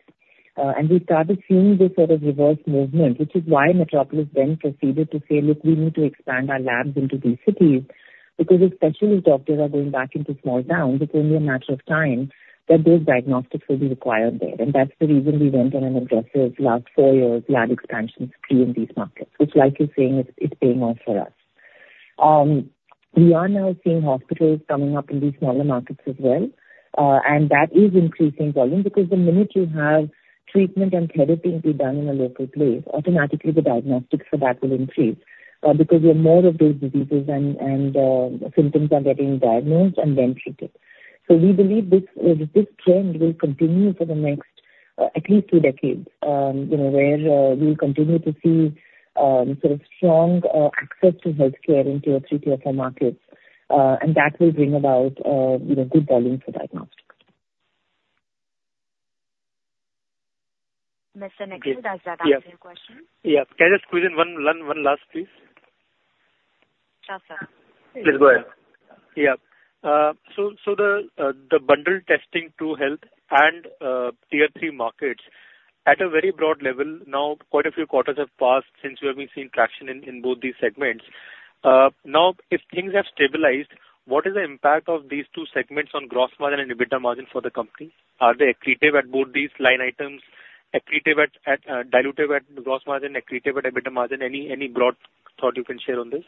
And we started seeing this sort of reverse movement, which is why Metropolis then proceeded to say, "Look, we need to expand our labs into these cities because especially if doctors are going back into small towns, it's only a matter of time that those diagnostics will be required there." And that's the reason we went on an aggressive last four-year-old lab expansion spree in these markets, which, like you're saying, is paying off for us. We are now seeing hospitals coming up in these smaller markets as well. And that is increasing volume because the minute you have treatment and therapy to be done in a local place, automatically the diagnostics for that will increase because more of those diseases and symptoms are getting diagnosed and then treated. We believe this trend will continue for the next at least two decades where we'll continue to see sort of strong access to healthcare in tier three, tier four markets. And that will bring about good volume for diagnostics. Mr. Nikhil, does that answer your question? Yes. Can I just chime in one last piece? Sure, sir. Please go ahead. Yeah. So the bundled testing, TruHealth, and tier three markets, at a very broad level, now quite a few quarters have passed since we have been seeing traction in both these segments. Now, if things have stabilized, what is the impact of these two segments on gross margin and EBITDA margin for the company? Are they accretive at both these line items, accretive or dilutive at gross margin, accretive at EBITDA margin? Any broad thought you can share on this?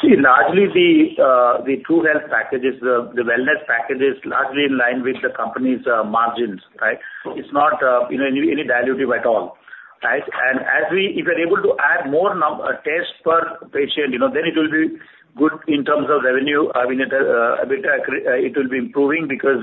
See, largely the TruHealth Packages, the wellness packages, largely align with the company's margins, right? It's not any dilutive at all, right? And if you're able to add more tests per patient, then it will be good in terms of revenue. I mean, it will be improving because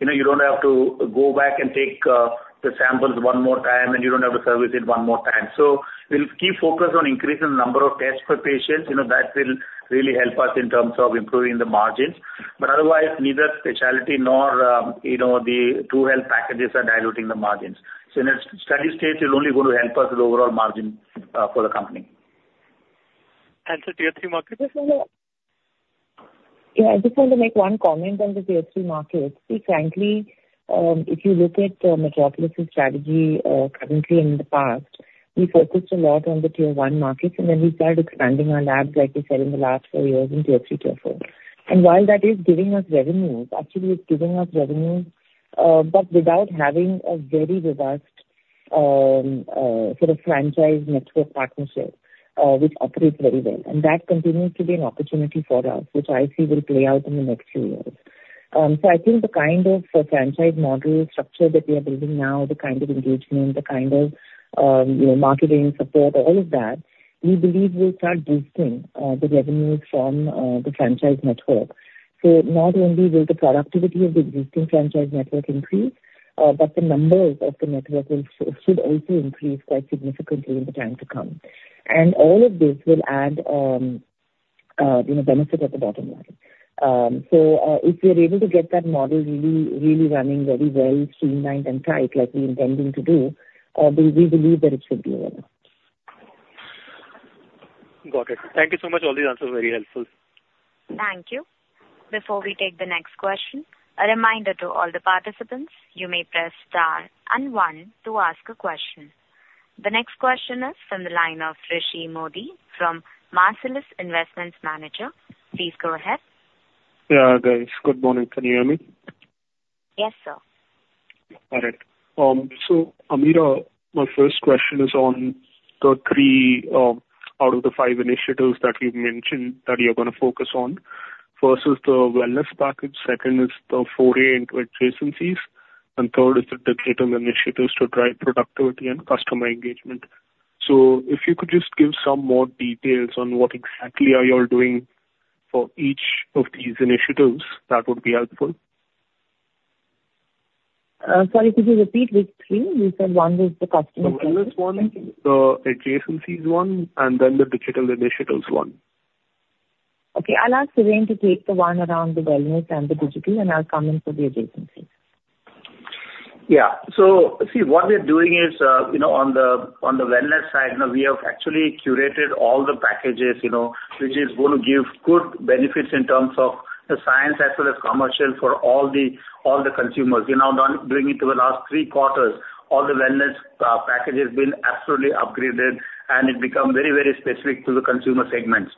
you don't have to go back and take the samples one more time, and you don't have to service it one more time. So we'll keep focus on increasing the number of tests per patient. That will really help us in terms of improving the margins. But otherwise, neither specialty nor the TruHealth Packages are diluting the margins. So in a steady state, it will only go to help us with overall margin for the company. And the tier three market is like that? Yeah. I just want to make one comment on the tier three market. See, frankly, if you look at Metropolis's strategy currently and in the past, we focused a lot on the tier one markets, and then we started expanding our labs, like we said, in the last four years in tier three, tier four. And while that is giving us revenues, actually, it's giving us revenues, but without having a very robust sort of franchise network partnership, which operates very well. And that continues to be an opportunity for us, which I see will play out in the next few years. So I think the kind of franchise model structure that we are building now, the kind of engagement, the kind of marketing support, all of that, we believe will start boosting the revenues from the franchise network. So not only will the productivity of the existing franchise network increase, but the numbers of the network should also increase quite significantly in the time to come. And all of this will add benefit at the bottom line. So if we're able to get that model really running very well, streamlined and tight like we're intending to do, we believe that it should be over. Got it. Thank you so much. All these answers are very helpful. Thank you. Before we take the next question, a reminder to all the participants, you may press star and one to ask a question. The next question is from the line of Rishi Mody from Marcellus Investment Managers. Please go ahead. Yeah, guys. Good morning. Can you hear me? Yes, sir. All right. So Ameera, my first question is on the three out of the five initiatives that you mentioned that you're going to focus on. First is the wellness package. Second is the foray into adjacencies. And third is the digital initiatives to drive productivity and customer engagement. So if you could just give some more details on what exactly are you all doing for each of these initiatives, that would be helpful. Sorry, could you repeat which three? You said one was the customer engagement. The wellness one, the adjacencies one, and then the digital initiatives one. Okay. I'll ask Surendran to take the one around the wellness and the digital, and I'll come in for the adjacencies. Yeah. So, see, what we're doing is on the wellness side. We have actually curated all the packages, which is going to give good benefits in terms of the science as well as commercial for all the consumers. Bringing it to the last three quarters, all the wellness packages have been absolutely upgraded, and it becomes very, very specific to the consumer segments.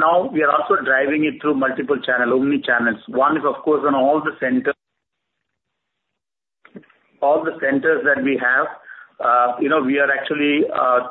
Now we are also driving it through multiple channels, omnichannel. One is, of course, on all the centers. All the centers that we have, we are actually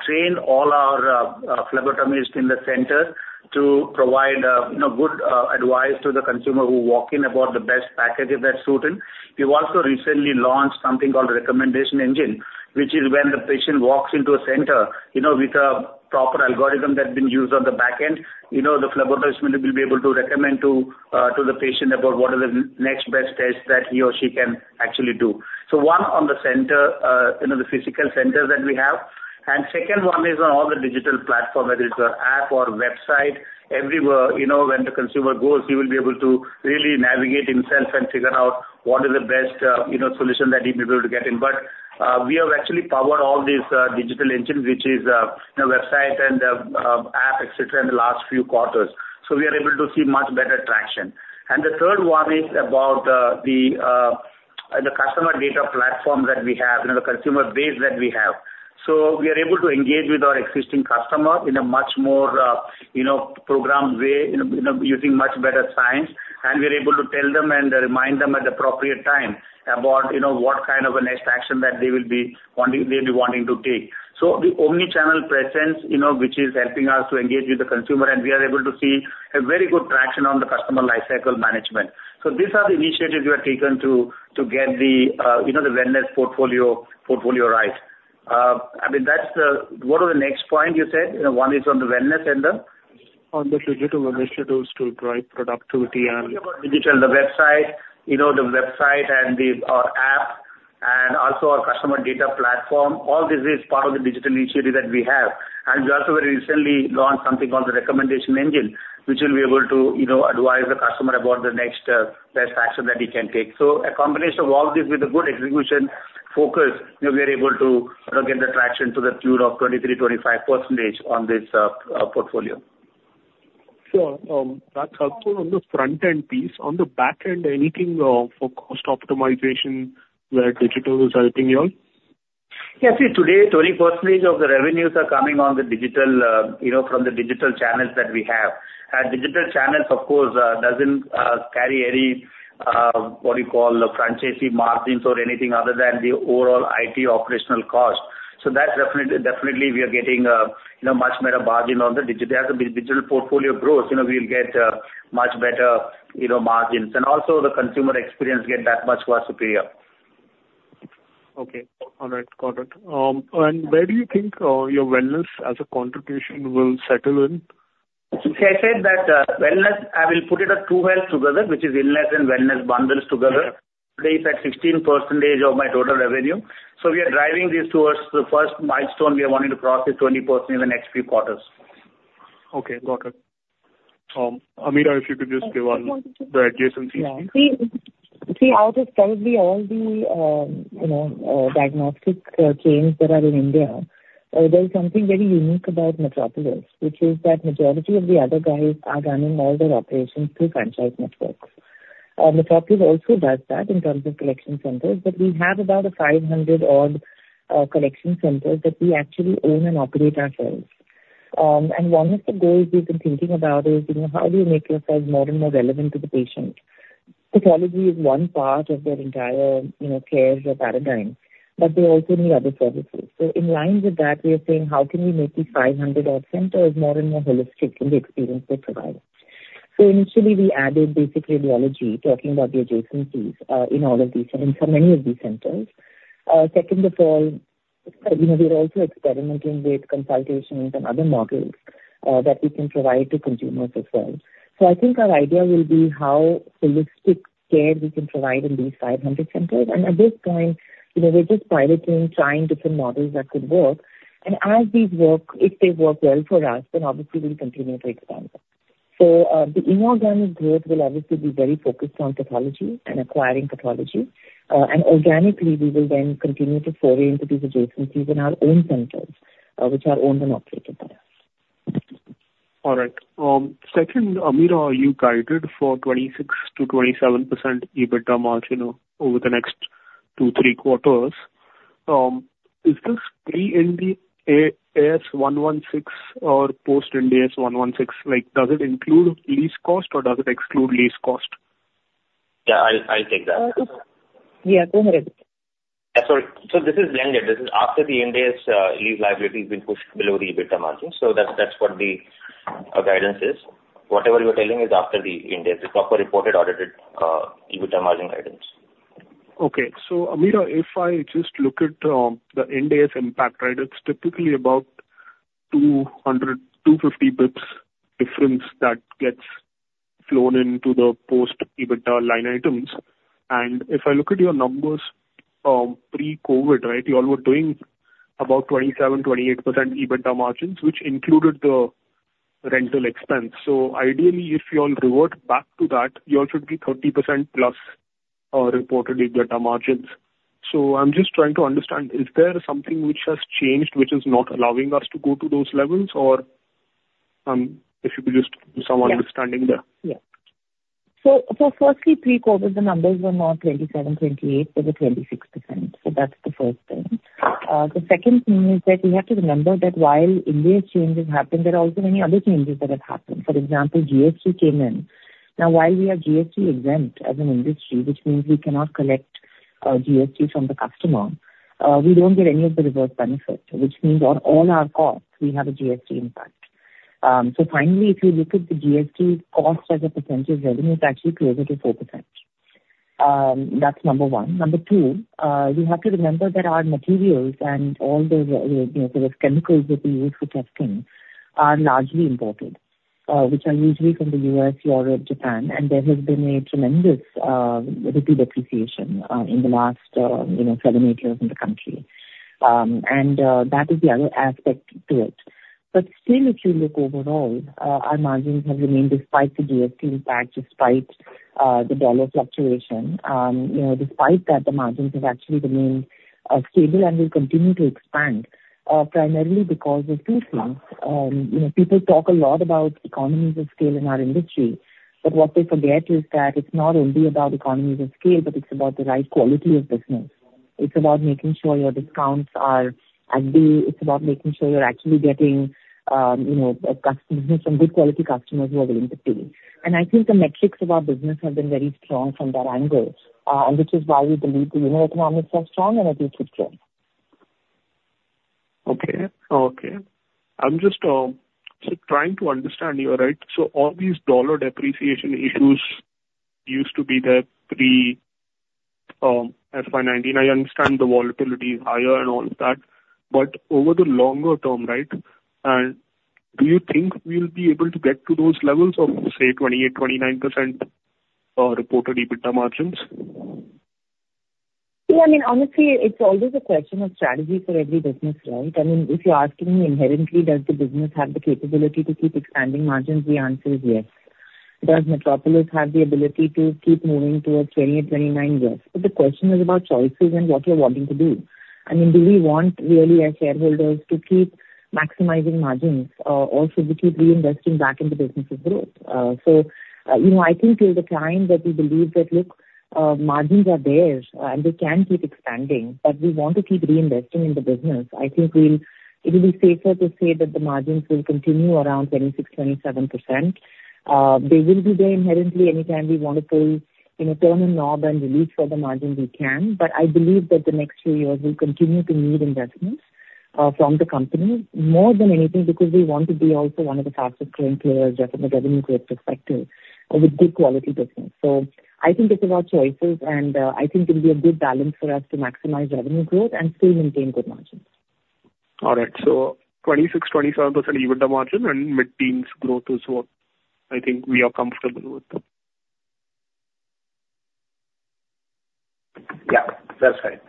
trained all our phlebotomists in the center to provide good advice to the consumer who walks in about the best package if that's suited. We've also recently launched something called a recommendation engine, which is when the patient walks into a center with a proper algorithm that's been used on the back end, the phlebotomist will be able to recommend to the patient about what are the next best tests that he or she can actually do. So one on the center, the physical centers that we have. And second one is on all the digital platform, whether it's an app or website, everywhere. When the consumer goes, he will be able to really navigate himself and figure out what is the best solution that he'd be able to get in. But we have actually powered all these digital engines, which is a website and an app, etc., in the last few quarters. So we are able to see much better traction. And the third one is about the customer data platform that we have, the consumer base that we have. So we are able to engage with our existing customer in a much more programmed way, using much better science. And we're able to tell them and remind them at the appropriate time about what kind of a next action that they will be wanting to take. So the omnichannel presence, which is helping us to engage with the consumer, and we are able to see a very good traction on the customer lifecycle management. So these are the initiatives we have taken to get the wellness portfolio right. I mean, what was the next point you said? One is on the wellness and the digital initiatives to drive productivity and digital, the website, and our app, and also our customer data platform. All this is part of the digital initiative that we have. And we also very recently launched something called the recommendation engine, which will be able to advise the customer about the next best action that he can take. So a combination of all this with a good execution focus, we are able to get the traction to the tier of 23%-25% on this portfolio. Sure. That's helpful on the front-end piece. On the back-end, anything for cost optimization where digital is helping you all? Yeah. See, today, 20% of the revenues are coming from the digital channels that we have. And digital channels, of course, doesn't carry any, what do you call, franchisee margins or anything other than the overall IT operational cost. So definitely, we are getting a much better margin on the digital. As the digital portfolio grows, we'll get much better margins. And also, the consumer experience gets that much more superior. Okay. All right. Got it. And where do you think your wellness as a contribution will settle in? So I said that wellness, I will put it as TruHealth together, which is illness and wellness bundles together. Today, it's at 16% of my total revenue. So we are driving this towards the first milestone we are wanting to cross is 20% in the next few quarters. Okay. Got it. Ameera, if you could just give us the adjacencies. See, out of probably all the diagnostic chains that are in India, there's something very unique about Metropolis, which is that the majority of the other guys are running all their operations through franchise networks. Metropolis also does that in terms of collection centers, but we have about 500-odd collection centers that we actually own and operate ourselves. One of the goals we've been thinking about is how do you make yourself more and more relevant to the patient? Pathology is one part of their entire care paradigm, but they also need other services. In line with that, we are saying, how can we make these 500-odd centers more and more holistic in the experience they provide? Initially, we added basic radiology, talking about the adjacencies in all of these and in so many of these centers. Second of all, we're also experimenting with consultations and other models that we can provide to consumers as well. I think our idea will be how holistic care we can provide in these 500 centers. At this point, we're just piloting, trying different models that could work. As these work, if they work well for us, then obviously we'll continue to expand them. So the inorganic growth will obviously be very focused on pathology and acquiring pathology. And organically, we will then continue to foray into these adjacencies in our own centers, which are owned and operated by us. All right. Second, Ameera, are you guided for 26%-27% EBITDA margin over the next two, three quarters? Is this pre-Ind AS 116 or post-Ind AS 116? Does it include lease cost or does it exclude lease cost? Yeah, I'll take that. Yeah, go ahead. Yeah, sorry. So this is lengthy. This is after the Ind AS 116 lease liability has been pushed below the EBITDA margin. So that's what the guidance is. Whatever you're telling is after the Ind AS 116, the proper reported audited EBITDA margin guidance. Okay. So Ameera, if I just look at the Ind AS 116 impact, right, it's typically about 250 basis points difference that gets flown into the post-EBITDA line items. And if I look at your numbers pre-COVID, right, you all were doing about 27-28% EBITDA margins, which included the rental expense. So ideally, if you all revert back to that, you all should be 30% plus reported EBITDA margins. So I'm just trying to understand, is there something which has changed which is not allowing us to go to those levels, or if you could just do some understanding there? Yeah. So firstly, pre-COVID, the numbers were more 27-28% for the 26%. So that's the first thing. The second thing is that we have to remember that while Ind AS changes happen, there are also many other changes that have happened. For example, GST came in. Now, while we are GST-exempt as an industry, which means we cannot collect GST from the customer, we don't get any of the reverse benefit, which means on all our costs, we have a GST impact. So finally, if you look at the GST cost as a percentage revenue, it's actually closer to 4%. That's number one. Number two, you have to remember that our materials and all the chemicals that we use for testing are largely imported, which are usually from the U.S., Europe, Japan. And there has been a tremendous rapid appreciation in the last seven, eight years in the country. And that is the other aspect to it. But still, if you look overall, our margins have remained despite the GST impact, despite the dollar fluctuation. Despite that, the margins have actually remained stable and will continue to expand, primarily because of two things. People talk a lot about economies of scale in our industry, but what they forget is that it's not only about economies of scale, but it's about the right quality of business. It's about making sure your discounts are—it's about making sure you're actually getting some good quality customers who are willing to pay. And I think the metrics of our business have been very strong from that angle, and which is why we believe the unit economics are strong and at least should grow. Okay. Okay. I'm just trying to understand you, right? So all these dollar depreciation issues used to be there pre-FY 2019. I understand the volatility is higher and all of that. But over the longer term, right, do you think we'll be able to get to those levels of, say, 28-29% reported EBITDA margins? See, I mean, honestly, it's always a question of strategy for every business, right? I mean, if you're asking me inherently, does the business have the capability to keep expanding margins, the answer is yes. Does Metropolis have the ability to keep moving towards 20%-29%? Yes. But the question is about choices and what you're wanting to do. I mean, do we want really as shareholders to keep maximizing margins or should we keep reinvesting back into businesses' growth? So I think there's a time that we believe that, look, margins are there and we can keep expanding, but we want to keep reinvesting in the business. I think it will be safer to say that the margins will continue around 26%-27%. They will be there inherently anytime we want to pull, turn a knob and release further margin we can. But I believe that the next few years we'll continue to need investments from the company more than anything because we want to be also one of the fastest growing players from a revenue growth perspective with good quality business. So I think it's about choices, and I think it'll be a good balance for us to maximize revenue growth and still maintain good margins. All right. So 26%-27% EBITDA margin and mid-teens growth is what I think we are comfortable with. Yeah. That's fine.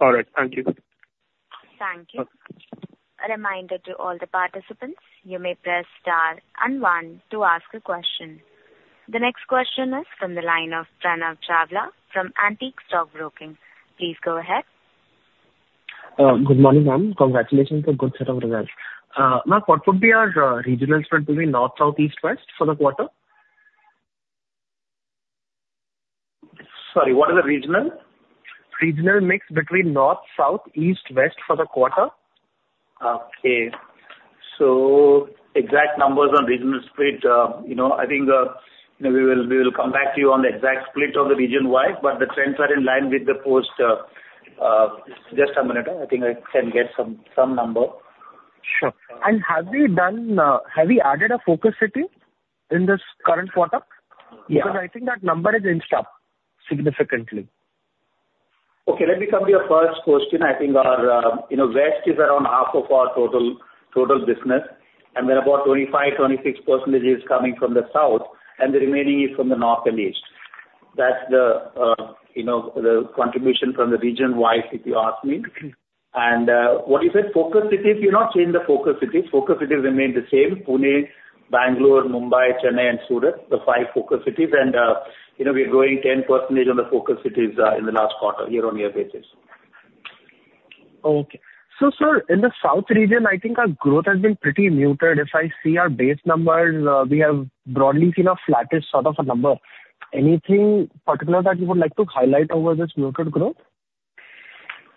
All right. Thank you. Thank you. Reminder to all the participants, you may press star and one to ask a question. The next question is from the line of Pranav Chawla from Antique Stock Broking. Please go ahead. Good morning, ma'am. Congratulations on a good set of results. Ma'am, what would be our regional spread between north, south, east, west for the quarter? Sorry, what is the regional mix between north, south, east, west for the quarter. Okay. So exact numbers on regional split, I think we will come back to you on the exact split of the region-wide, but the trends are in line with the post, just a minute. I think I can get some number. Sure. And have we added a focus city in this current quarter? Because I think that number has increased up significantly. Okay. Let me come to your first question. I think our west is around half of our total business, and then about 25-26% is coming from the south, and the remaining is from the north and east. That's the contribution from the region-wide, if you ask me. And what is it? Focus cities, you're not saying the focus cities. Focus cities remain the same: Pune, Bangalore, Mumbai, Chennai, and Surat, the five focus cities. And we're growing 10% on the focus cities in the last quarter year-on-year basis. Okay. So, sir, in the south region, I think our growth has been pretty muted. If I see our base numbers, we have broadly seen a flattish sort of a number. Anything particular that you would like to highlight over this muted growth?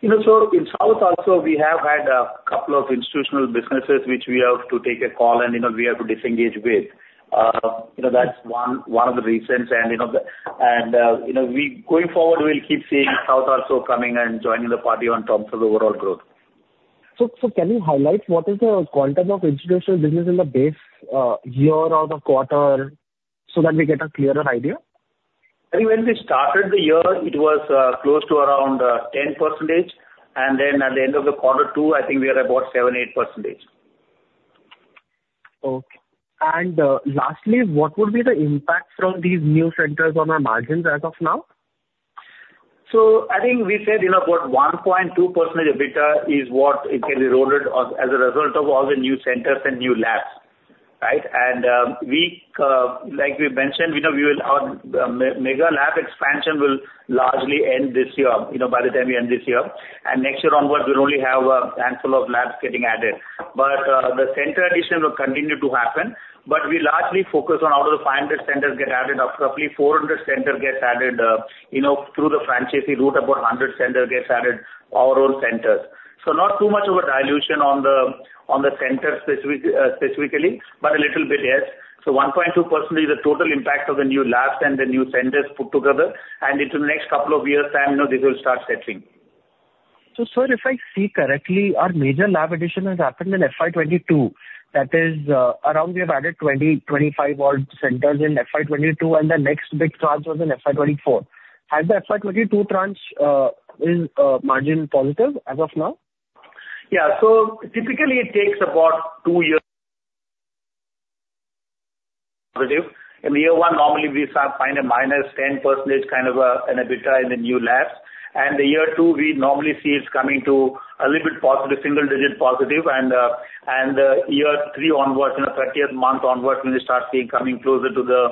So in south also, we have had a couple of institutional businesses which we have to take a call and we have to disengage with. That's one of the reasons. And going forward, we'll keep seeing south also coming and joining the party on terms of overall growth. So can you highlight what is the quantum of institutional business in the base year-out of quarter so that we get a clearer idea? I think when we started the year, it was close to around 10%. Then at the end of quarter two, I think we are about 7-8%. Okay. And lastly, what would be the impact from these new centers on our margins as of now? So I think we said about 1.2% of EBITDA is what can be rolled as a result of all the new centers and new labs, right? Like we mentioned, our mega lab expansion will largely end this year by the time we end this year. Next year onwards, we'll only have a handful of labs getting added. The center addition will continue to happen. We largely focus on out of the 500 centers get added, roughly 400 centers get added through the franchisee route, about 100 centers get added, our own centers. So not too much of a dilution on the centers specifically, but a little bit, yes. So 1.2% is the total impact of the new labs and the new centers put together. And in the next couple of years' time, this will start settling. So, sir, if I see correctly, our major lab addition has happened in FY 2022. That is around we have added 20, 25-odd centers in FY 2022, and the next big tranche was in FY 2024. Has the FY 2022 tranche been margin positive as of now? Yeah. So typically, it takes about two years to be positive. In year one, normally we find a minus 10% kind of an EBITDA in the new labs. And the year two, we normally see it's coming to a little bit positive, single-digit positive. And year three onwards, in the 30th month onwards, we will start seeing coming closer to the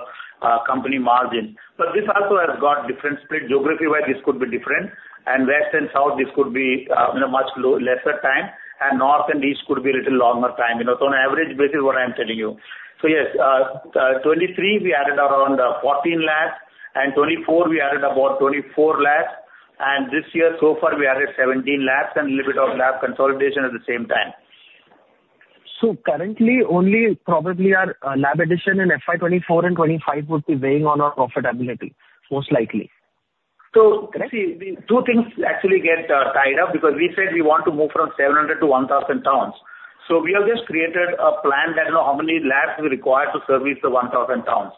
company margin. But this also has got different split. Geography-wise, this could be different. And west and south, this could be much lesser time. And north and east could be a little longer time. So on average basis, what I'm telling you. So yes, 2023, we added around 14 labs. And 2024, we added about 24 labs. And this year, so far, we added 17 labs and a little bit of lab consolidation at the same time. So currently, only probably our lab addition in FY 2024 and FY 2025 would be weighing on our profitability, most likely. So see, two things actually get tied up because we said we want to move from 700 to 1,000 towns. So we have just created a plan that how many labs we require to service the 1,000 towns,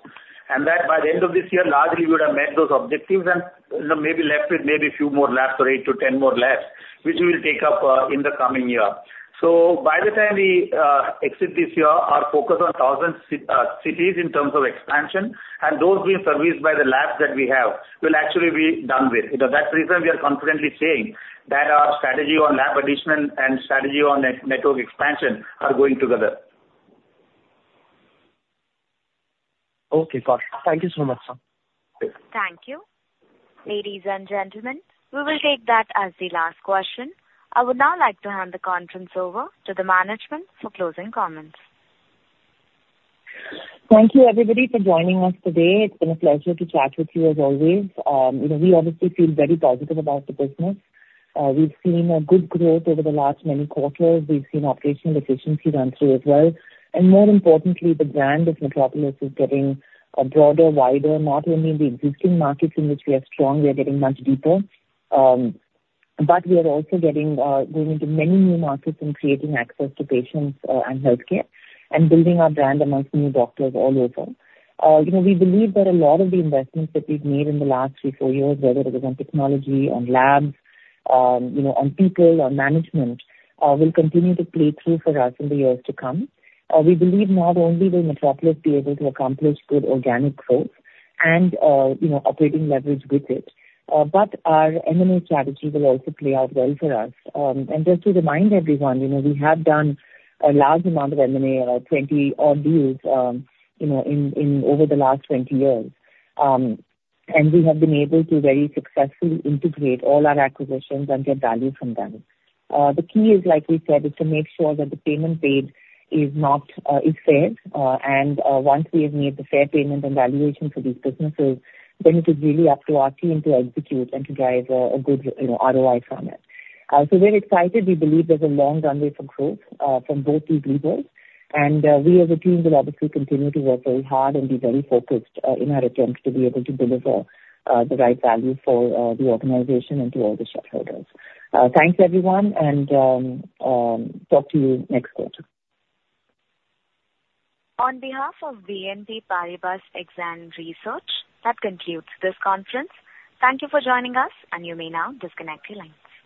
and that by the end of this year, largely we would have met those objectives and maybe left with maybe a few more labs or eight to 10 more labs, which we will take up in the coming year. So by the time we exit this year, our focus on 1,000 towns in terms of expansion and those being serviced by the labs that we have will actually be done with. That's the reason we are confidently saying that our strategy on lab addition and strategy on network expansion are going together. Okay. Got it. Thank you so much, sir. Thank you. Ladies and gentlemen, we will take that as the last question. I would now like to hand the conference over to the management for closing comments. Thank you, everybody, for joining us today. It's been a pleasure to chat with you as always. We obviously feel very positive about the business. We've seen good growth over the last many quarters. We've seen operational efficiency run through as well, and more importantly, the brand of Metropolis is getting broader, wider, not only in the existing markets in which we are strong. We are getting much deeper, but we are also going into many new markets and creating access to patients and healthcare and building our brand amongst new doctors all over. We believe that a lot of the investments that we've made in the last three, four years, whether it was on technology, on labs, on people, on management, will continue to play through for us in the years to come. We believe not only will Metropolis be able to accomplish good organic growth and operating leverage with it, but our M&A strategy will also play out well for us. And just to remind everyone, we have done a large amount of M&A or 20-odd deals over the last 20 years. And we have been able to very successfully integrate all our acquisitions and get value from them. The key is, like we said, is to make sure that the payment paid is fair. And once we have made the fair payment and valuation for these businesses, then it is really up to our team to execute and to drive a good ROI from it. So we're excited. We believe there's a long runway for growth from both these levels. And we, as a team, will obviously continue to work very hard and be very focused in our attempt to be able to deliver the right value for the organization and to all the shareholders. Thanks, everyone, and talk to you next quarter. On behalf of BNP Paribas Exane Research, that concludes this conference. Thank you for joining us, and you may now disconnect your lines.